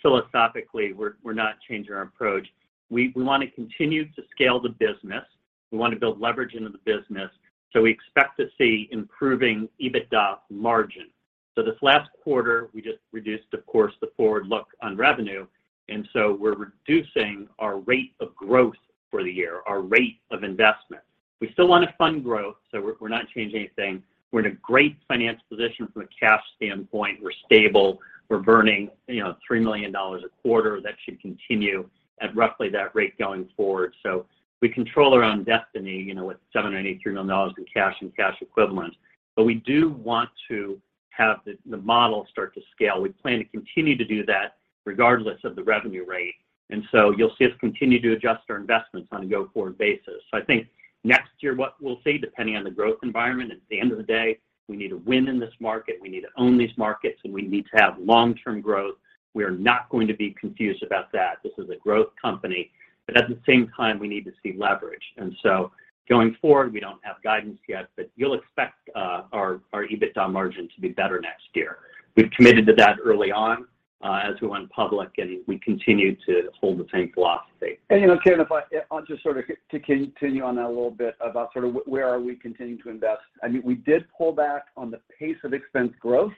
Philosophically, we're not changing our approach. We wanna continue to scale the business. We wanna build leverage into the business, so we expect to see improving EBITDA margin. This last quarter, we just reduced, of course, the forward look on revenue, and we're reducing our rate of growth for the year, our rate of investment. We still wanna fund growth, so we're not changing anything. We're in a great financial position from a cash standpoint. We're stable. We're burning, you know, $3 million a quarter. That should continue at roughly that rate going forward. We control our own destiny, you know, with $783 million in cash and cash equivalent. We do want to have the model start to scale. We plan to continue to do that regardless of the revenue rate, and you'll see us continue to adjust our investments on a go-forward basis. I think next year, what we'll see, depending on the growth environment, at the end of the day, we need to win in this market, we need to own these markets, and we need to have long-term growth. We are not going to be confused about that. This is a growth company. At the same time, we need to see leverage. Going forward, we don't have guidance yet, but you'll expect our EBITDA margin to be better next year. We've committed to that early on, as we went public, and we continue to hold the same philosophy. You know, Ken, I'll just sort of continue on that a little bit about where we are continuing to invest. I mean, we did pull back on the pace of expense growth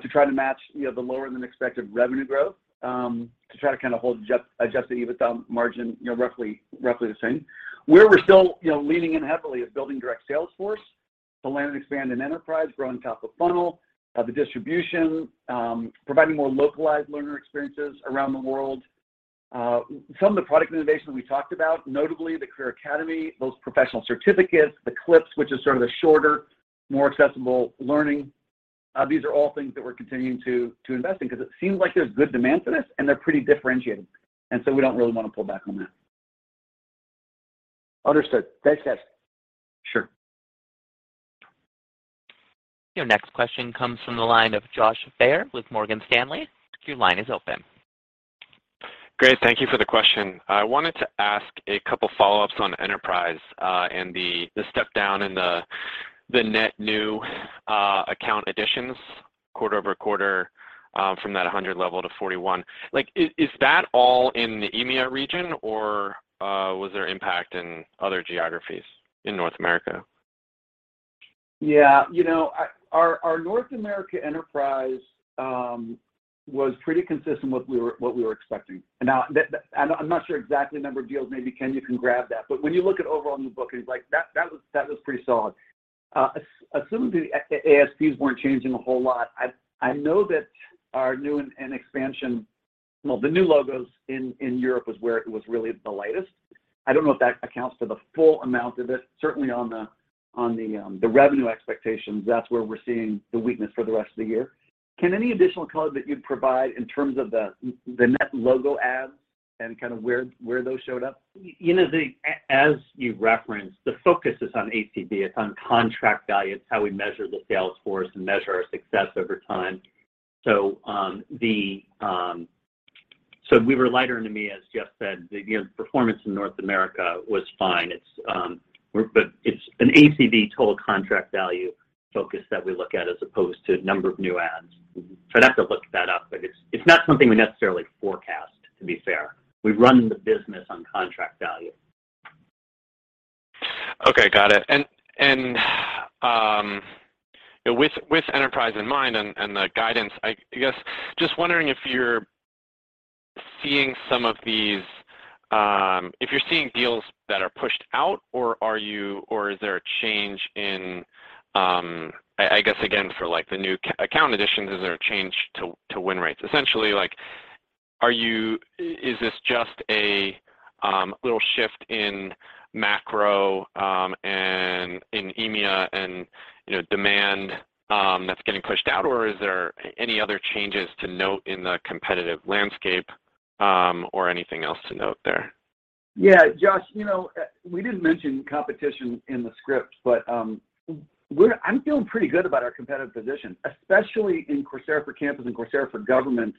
to try to match, you know, the lower than expected revenue growth, to try to kind of hold adjusted EBITDA margin, you know, roughly the same. Where we're still, you know, leaning in heavily is building direct sales force to land and expand in enterprise, grow on top of funnel, the distribution, providing more localized learner experiences around the world. Some of the product innovation we talked about, notably the Career Academy, those Professional Certificates, the Clips, which is sort of the shorter, more accessible learning, these are all things that we're continuing to invest in because it seems like there's good demand for this and they're pretty differentiating. We don't really wanna pull back on that. Understood. Thanks, guys. Sure. Your next question comes from the line of Josh Baer with Morgan Stanley. Your line is open. Great. Thank you for the question. I wanted to ask a couple follow-ups on enterprise, and the step down in the net new account additions quarter-over-quarter, from that 100 level to 41. Like, is that all in the EMEA region, or was there impact in other geographies in North America? Yeah. You know, our North America enterprise was pretty consistent with what we were expecting. Now, I'm not sure exactly the number of deals. Maybe Ken, you can grab that. When you look at overall new bookings, like, that was pretty solid. Assuming the ASPs weren't changing a whole lot, I know that our new and expansion. Well, the new logos in Europe was where it was really the lightest. I don't know if that accounts for the full amount of it. Certainly on the revenue expectations, that's where we're seeing the weakness for the rest of the year. Ken, any additional color that you'd provide in terms of the net logo adds and kind of where those showed up? You know, as you referenced, the focus is on ACV. It's on contract value. It's how we measure the sales force and measure our success over time. We were lighter in Q4, as Jeff said. You know, the performance in North America was fine. It's an ACV, total contract value focus that we look at as opposed to number of new adds. I'd have to look that up, but it's not something we necessarily forecast, to be fair. We run the business on contract value. Okay, got it. With enterprise in mind and the guidance, I guess just wondering if you're seeing deals that are pushed out or is there a change in, I guess again for like the new account additions, is there a change to win rates? Essentially, like, are you... Is this just a little shift in macro and in EMEA and, you know, demand that's getting pushed out? Or is there any other changes to note in the competitive landscape or anything else to note there? Yeah, Josh, you know, we didn't mention competition in the script, but, I'm feeling pretty good about our competitive position, especially in Coursera for Campus and Coursera for Government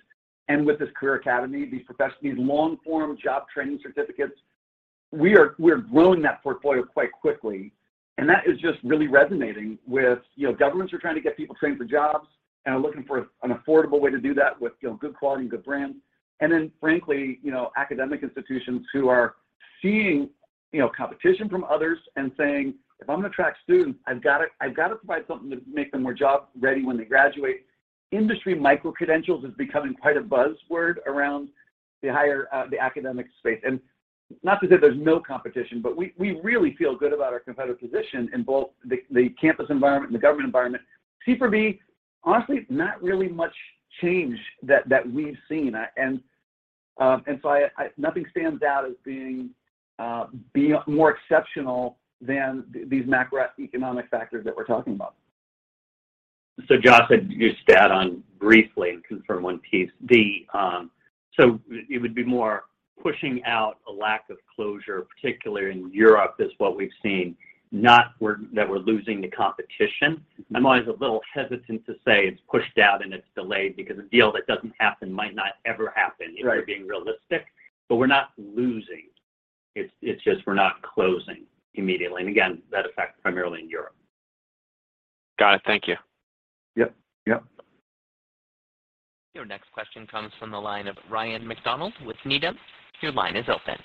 and with this Career Academy, these long-form job training certificates. We're growing that portfolio quite quickly, and that is just really resonating with, you know, governments are trying to get people trained for jobs and are looking for an affordable way to do that with, you know, good quality and good brands. Then frankly, you know, academic institutions who are seeing, you know, competition from others and saying, "If I'm gonna attract students, I've gotta provide something to make them more job ready when they graduate." Industry micro-credentials is becoming quite a buzzword around the higher, the academic space. Not to say there's no competition, but we really feel good about our competitive position in both the campus environment and the government environment. C4B, honestly, not really much change that we've seen. Nothing stands out as being more exceptional than these macroeconomic factors that we're talking about. Josh, I'd just add on briefly and confirm one piece. The it would be more pushing out a lack of closure, particularly in Europe, is what we've seen, not that we're losing to competition. I'm always a little hesitant to say it's pushed out and it's delayed because a deal that doesn't happen might not ever happen. Right. If you're being realistic. We're not losing. It's just we're not closing immediately. Again, that affects primarily in Europe. Got it. Thank you. Yep. Yep. Your next question comes from the line of Ryan MacDonald with Needham. Your line is open.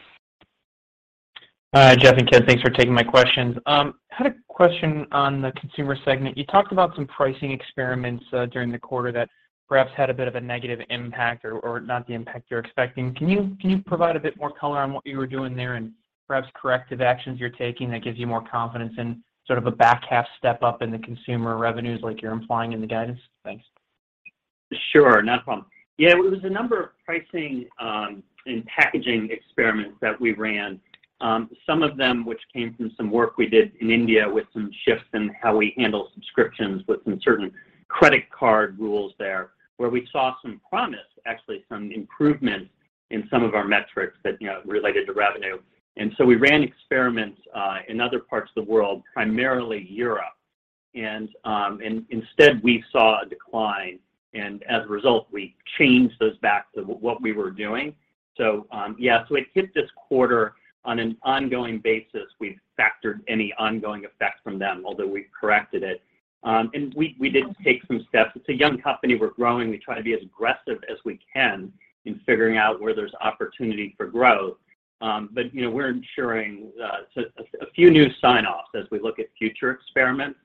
Hi, Jeff and Ken. Thanks for taking my questions. Had a question on the Consumer segment. You talked about some pricing experiments during the quarter that perhaps had a bit of a negative impact or not the impact you were expecting. Can you provide a bit more color on what you were doing there and perhaps corrective actions you're taking that gives you more confidence in sort of a back half step up in the consumer revenues like you're implying in the guidance? Thanks. Sure. Not a problem. Yeah, it was a number of pricing and packaging experiments that we ran. Some of them which came from some work we did in India with some shifts in how we handle subscriptions with some certain credit card rules there, where we saw some promise, actually some improvement in some of our metrics that, you know, related to revenue. We ran experiments in other parts of the world, primarily Europe. Instead we saw a decline, and as a result, we changed those back to what we were doing. Yeah, so it hit this quarter on an ongoing basis. We've factored any ongoing effect from them, although we've corrected it. We did take some steps. It's a young company. We're growing. We try to be as aggressive as we can in figuring out where there's opportunity for growth. You know, we're ensuring a few new sign-offs as we look at future experiments.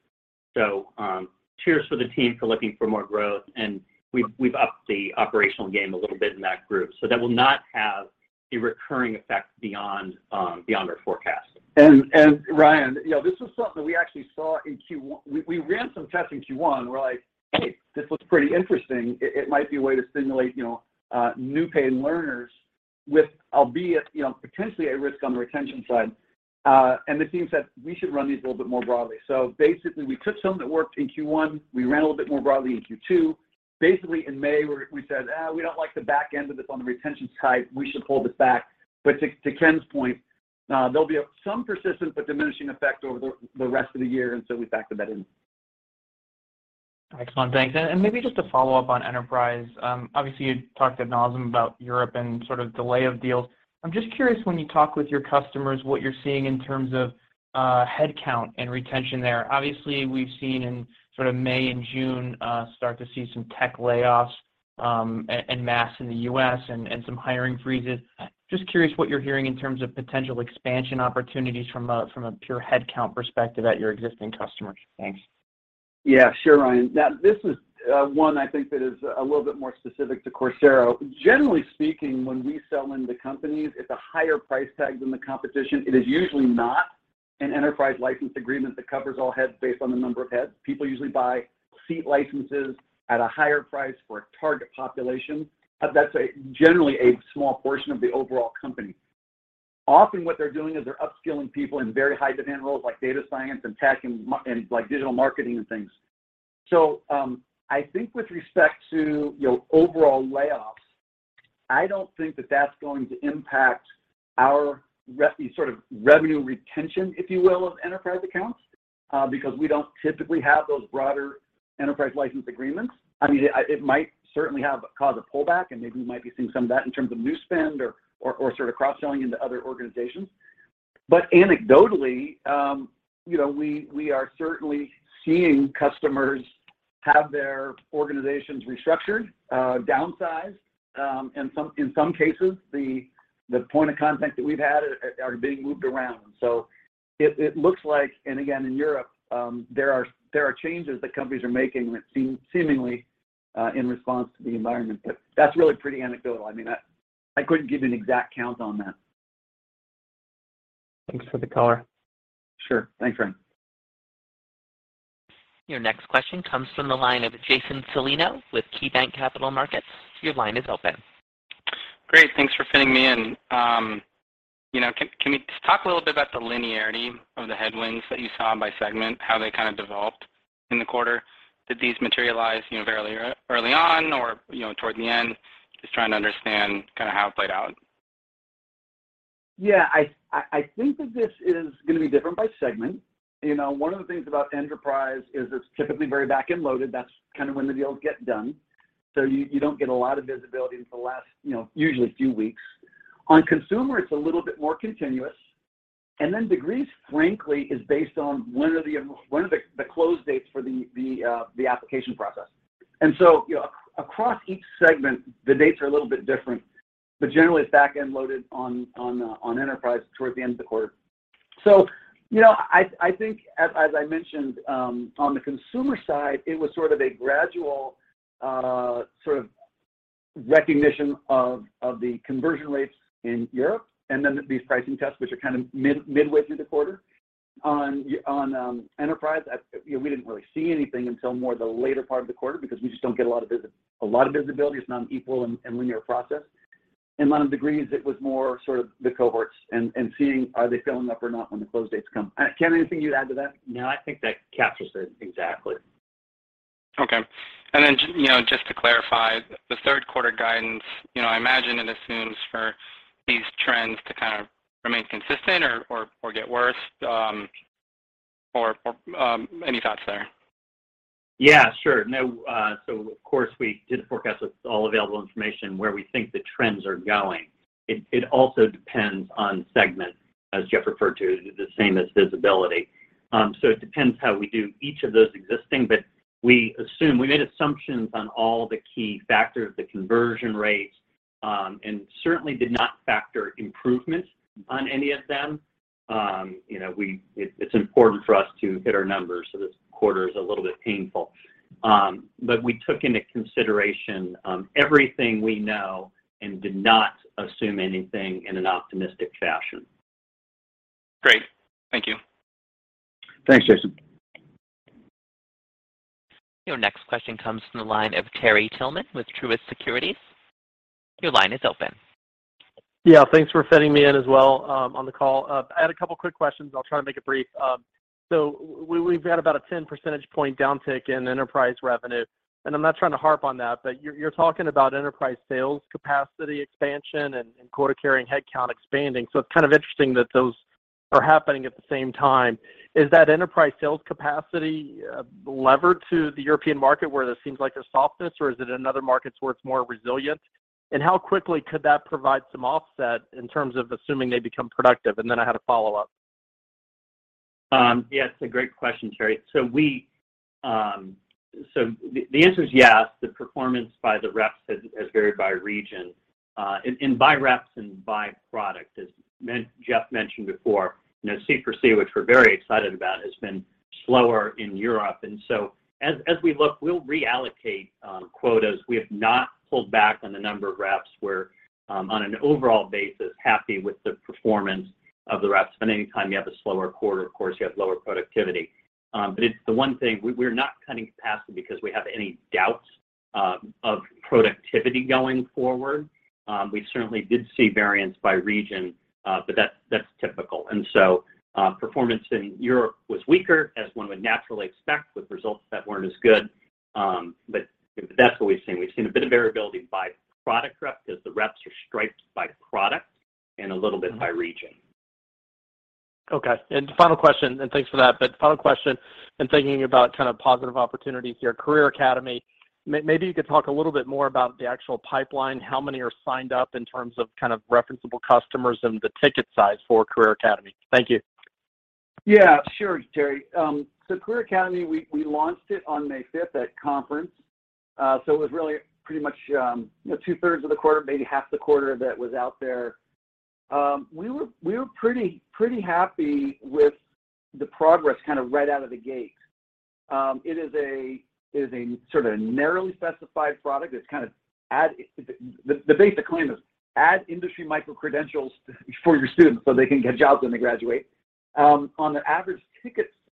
Cheers for the team for looking for more growth, and we've upped the operational game a little bit in that group. That will not have a recurring effect beyond our forecast. Ryan, you know, this was something we actually saw in Q1. We ran some tests in Q1, and we're like, "Hey, this looks pretty interesting. It might be a way to stimulate, you know, new paying learners with, albeit, you know, potentially a risk on the retention side." The team said we should run these a little bit more broadly. Basically, we took some that worked in Q1. We ran a little bit more broadly in Q2. Basically, in May we said, "We don't like the back end of this on the retention side. We should pull this back." To Ken's point, there'll be some persistent but diminishing effect over the rest of the year, and so we factored that in. Excellent. Thanks. Maybe just a follow-up on Enterprise. Obviously, you talked to ad nauseam about Europe and sort of delay of deals. I'm just curious when you talk with your customers, what you're seeing in terms of headcount and retention there. Obviously, we've seen in sort of May and June start to see some tech layoffs en masse in the U.S. and some hiring freezes. Just curious what you're hearing in terms of potential expansion opportunities from a pure headcount perspective at your existing customers. Thanks. Yeah, sure, Ryan. Now, this is one I think that is a little bit more specific to Coursera. Generally speaking, when we sell into companies, it's a higher price tag than the competition. It is usually not an enterprise license agreement that covers all heads based on the number of heads. People usually buy seat licenses at a higher price for a target population. That's generally a small portion of the overall company. Often what they're doing is they're upskilling people in very high-demand roles like data science and tech and, like, digital marketing and things. I think with respect to, you know, overall layoffs, I don't think that that's going to impact our sort of revenue retention, if you will, of enterprise accounts. Because we don't typically have those broader enterprise license agreements. I mean, it might certainly have caused a pullback, and maybe we might be seeing some of that in terms of new spend or sort of cross-selling into other organizations. Anecdotally, you know, we are certainly seeing customers have their organizations restructured, downsized, and in some cases the point of contact that we've had are being moved around. It looks like. Again, in Europe, there are changes that companies are making that seemingly in response to the environment. That's really pretty anecdotal. I mean, I couldn't give you an exact count on that. Thanks for the color. Sure. Thanks, Ryan. Your next question comes from the line of Jason Celino with KeyBanc Capital Markets. Your line is open. Great. Thanks for fitting me in. You know, can we just talk a little bit about the linearity of the headwinds that you saw by segment, how they kind of developed in the quarter? Did these materialize, you know, fairly early on or, you know, toward the end? Just trying to understand kind of how it played out. Yeah. I think that this is gonna be different by segment. You know, one of the things about enterprise is it's typically very back-end loaded. That's kind of when the deals get done. You don't get a lot of visibility until the last, you know, usually few weeks. On consumer, it's a little bit more continuous. Degrees frankly is based on when are the close dates for the application process. You know, across each segment, the dates are a little bit different. Generally it's back-end loaded on enterprise towards the end of the quarter. You know, I think as I mentioned on the Consumer side, it was sort of a gradual sort of recognition of the conversion rates in Europe and then these pricing tests, which are kind of midway through the quarter. On Enterprise, you know, we didn't really see anything until more the later part of the quarter because we just don't get a lot of visibility. It's not an equal and linear process. On Degrees, it was more sort of the cohorts and seeing are they filling up or not when the close dates come. Ken, anything you'd add to that? No, I think that captures it exactly. Okay. You know, just to clarify, the third quarter guidance, you know, I imagine it assumes for these trends to kind of remain consistent or get worse, or any thoughts there? Yeah, sure. No, so of course we did the forecast with all available information where we think the trends are going. It also depends on segment, as Jeff referred to, the same as visibility. It depends how we do each of those existing. We made assumptions on all the key factors, the conversion rates, and certainly did not factor improvements on any of them. You know, it's important for us to hit our numbers, so this quarter is a little bit painful. We took into consideration everything we know and did not assume anything in an optimistic fashion. Great. Thank you. Thanks, Jason. Your next question comes from the line of Terry Tillman with Truist Securities. Your line is open. Yeah, thanks for fitting me in as well, on the call. I had a couple quick questions. I'll try to make it brief. We've had about a 10 percentage point downtick in enterprise revenue, and I'm not trying to harp on that, but you're talking about enterprise sales capacity expansion and quota-carrying headcount expanding. It's kind of interesting that those are happening at the same time. Is that enterprise sales capacity levered to the European market where there seems like there's softness or is it in other markets where it's more resilient? And how quickly could that provide some offset in terms of assuming they become productive? And then I had a follow-up. Yeah, it's a great question, Terry. The answer is yes. The performance by the reps has varied by region, and by reps and by product. As Jeff mentioned before, you know, C4C, which we're very excited about, has been slower in Europe. As we look, we'll reallocate quotas. We have not pulled back on the number of reps. We're on an overall basis happy with the performance of the reps. Anytime you have a slower quarter, of course you have lower productivity. It's the one thing, we're not cutting capacity because we have any doubts of productivity going forward. We certainly did see variance by region, but that's typical. Performance in Europe was weaker as one would naturally expect with results that weren't as good. That's what we've seen. We've seen a bit of variability by product rep because the reps are striped by product and a little bit by region. Okay. Final question, and thanks for that. Final question, in thinking about kind of positive opportunities here, Career Academy, maybe you could talk a little bit more about the actual pipeline, how many are signed up in terms of kind of referenceable customers and the ticket size for Career Academy. Thank you. Yeah, sure, Terry. Career Academy, we launched it on May 5th at conference. It was really pretty much, you know, two-thirds of the quarter, maybe half the quarter that was out there. We were pretty happy with the progress kind of right out of the gate. It is a sort of narrowly specified product. The basic claim is add industry micro-credentials for your students so they can get jobs when they graduate. On the average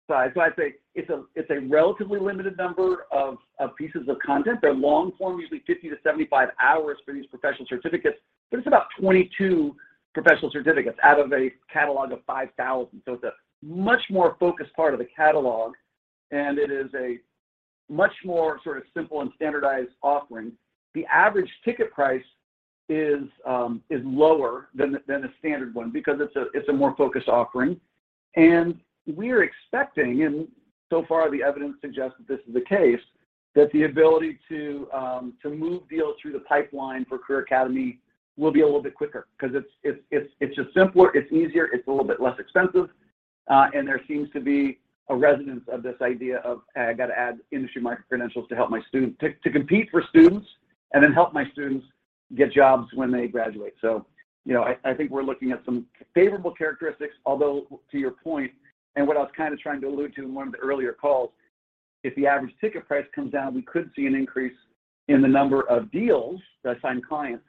ticket size, I'd say it's a relatively limited number of pieces of content. They're long form, usually 50-75 hours for these Professional Certificates, but it's about 22 Professional Certificates out of a catalog of 5,000. It's a much more focused part of the catalog, and it is a much more sort of simple and standardized offering. The average ticket price is lower than the standard one because it's a more focused offering. We're expecting, and so far the evidence suggests that this is the case, that the ability to move deals through the pipeline for Career Academy will be a little bit quicker 'cause it's just simpler, it's easier, it's a little bit less expensive, and there seems to be a resonance of this idea of, "I gotta add industry micro-credentials to help my students to compete for students, and then help my students get jobs when they graduate. You know, I think we're looking at some favorable characteristics, although, to your point, and what I was kinda trying to allude to in one of the earlier calls, if the average ticket price comes down, we could see an increase in the number of deals that sign clients,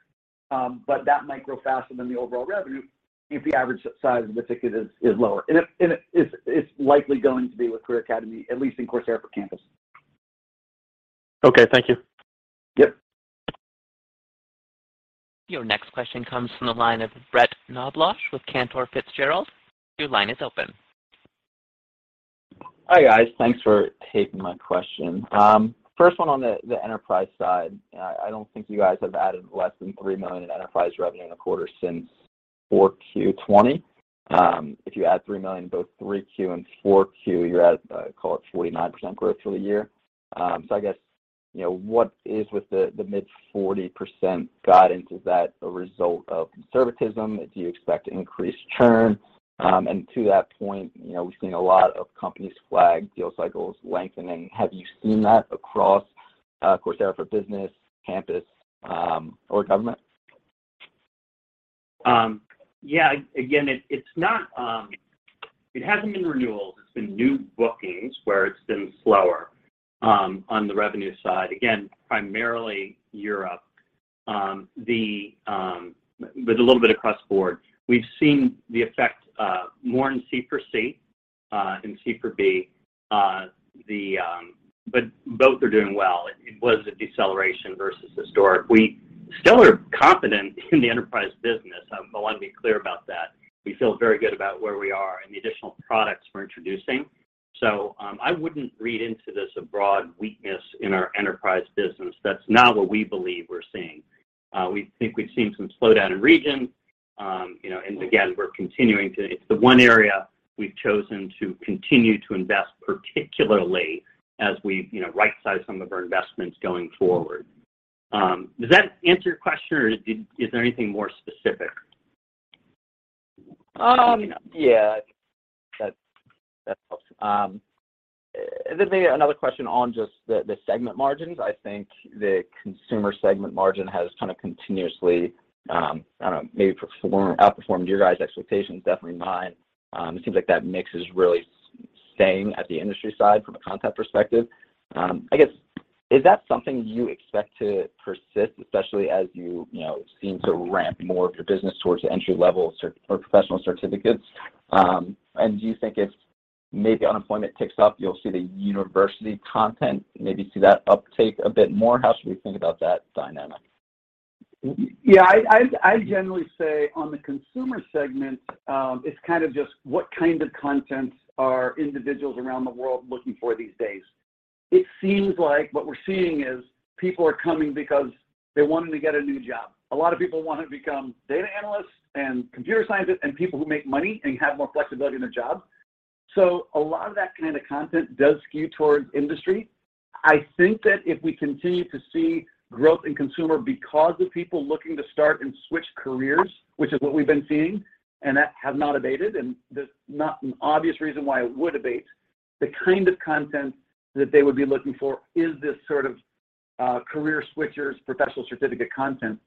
but that might grow faster than the overall revenue if the average size of the ticket is lower. And it is likely going to be with Career Academy, at least in Coursera for Campus. Okay, thank you. Yep. Your next question comes from the line of Brett Knoblauch with Cantor Fitzgerald. Your line is open. Hi, guys. Thanks for taking my question. First one on the Enterprise side. I don't think you guys have added less than $3 million in enterprise revenue in a quarter since 4Q 2020. If you add $3 million in both 3Q and 4Q, you're at, call it 49% growth for the year. I guess, you know, what is with the mid 40% guidance? Is that a result of conservatism? Do you expect increased churn? To that point, you know, we've seen a lot of companies flag deal cycles lengthening. Have you seen that across Coursera for Business, Coursera for Campus, or Coursera for Government? Yeah. Again, it's not. It hasn't been renewals, it's been new bookings where it's been slower on the revenue side. Again, primarily Europe. A little bit across the board. We've seen the effect more in C4C than C4B. Both are doing well. It was a deceleration versus historic. We still are confident in the Enterprise business, I wanna be clear about that. We feel very good about where we are and the additional products we're introducing. I wouldn't read into this a broad weakness in our Enterprise business. That's not what we believe we're seeing. We think we've seen some slowdown in regions. You know, again, we're continuing to. It's the one area we've chosen to continue to invest particularly as we, you know, right-size some of our investments going forward. Does that answer your question or is there anything more specific? Yeah. That helps. Then maybe another question on just the segment margins. I think the Consumer segment margin has kind of continuously outperformed your guys' expectations, definitely mine. It seems like that mix is really staying at the Enterprise side from a content perspective. I guess, is that something you expect to persist, especially as you know, seem to ramp more of your business towards the entry-level or Professional Certificates? And do you think if maybe unemployment ticks up, you'll see the university content, maybe see that uptake a bit more? How should we think about that dynamic? Yeah. I generally say on the Consumer segment, it's kind of just what kind of content are individuals around the world looking for these days? It seems like what we're seeing is people are coming because they're wanting to get a new job. A lot of people wanna become data analysts and computer scientists, and people who make money and have more flexibility in their jobs. A lot of that kind of content does skew towards industry. I think that if we continue to see growth in consumer because of people looking to start and switch careers, which is what we've been seeing, and that has not abated, and there's not an obvious reason why it would abate, the kind of content that they would be looking for is this sort of career switchers professional certificate content.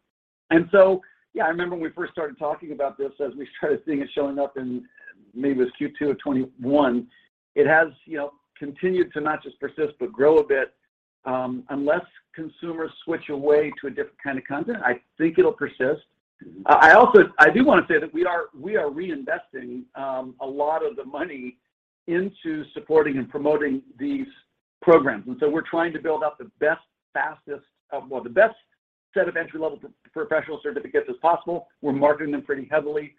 Yeah, I remember when we first started talking about this as we started seeing it showing up in, maybe it was Q2 of 2021. It has, you know, continued to not just persist, but grow a bit. Unless consumers switch away to a different kind of content, I think it'll persist. I also, I do wanna say that we are reinvesting a lot of the money into supporting and promoting these programs. We're trying to build out the best, fastest, or the best set of entry-level professional certificates as possible. We're marketing them pretty heavily.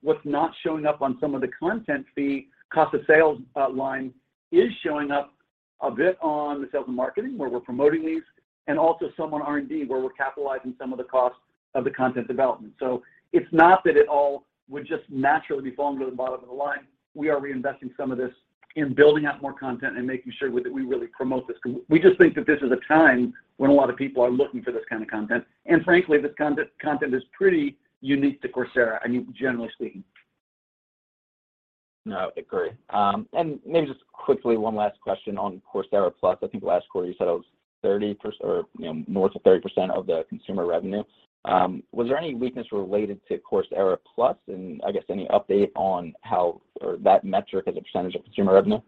What's not showing up on some of the content fee, cost of sales, line is showing up a bit on the sales and marketing, where we're promoting these, and also some on R&D, where we're capitalizing some of the costs of the content development. It's not that it all would just naturally be falling to the bottom of the line. We are reinvesting some of this in building out more content and making sure that we really promote this, 'cause we just think that this is a time when a lot of people are looking for this kind of content. Frankly, this content is pretty unique to Coursera, I mean, generally speaking. No, I agree. Maybe just quickly one last question on Coursera Plus. I think last quarter you said it was or, you know, north of 30% of the consumer revenue. Was there any weakness related to Coursera Plus? I guess any update on how or that metric as a percentage of consumer revenue?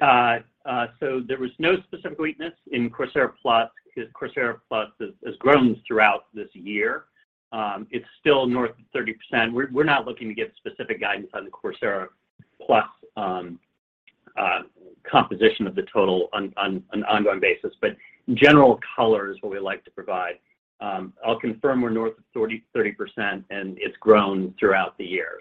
There was no specific weakness in Coursera Plus 'cause Coursera Plus has grown throughout this year. It's still north of 30%. We're not looking to give specific guidance on the Coursera Plus composition of the total on an ongoing basis. General color is what we like to provide. I'll confirm we're north of 30% and it's grown throughout the year.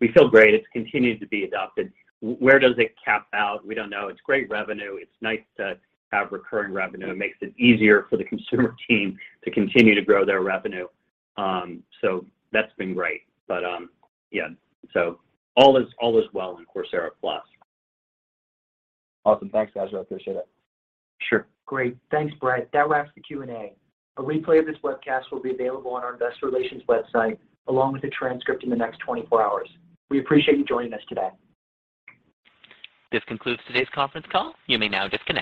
We feel great. It's continued to be adopted. Where does it cap out? We don't know. It's great revenue. It's nice to have recurring revenue. It makes it easier for the consumer team to continue to grow their revenue. That's been great. Yeah, all is well in Coursera Plus. Awesome. Thanks, guys. I appreciate it. Sure. Great. Thanks, Brett. That wraps the Q&A. A replay of this webcast will be available on our investor relations website, along with a transcript in the next 24 hours. We appreciate you joining us today. This concludes today's conference call. You may now disconnect.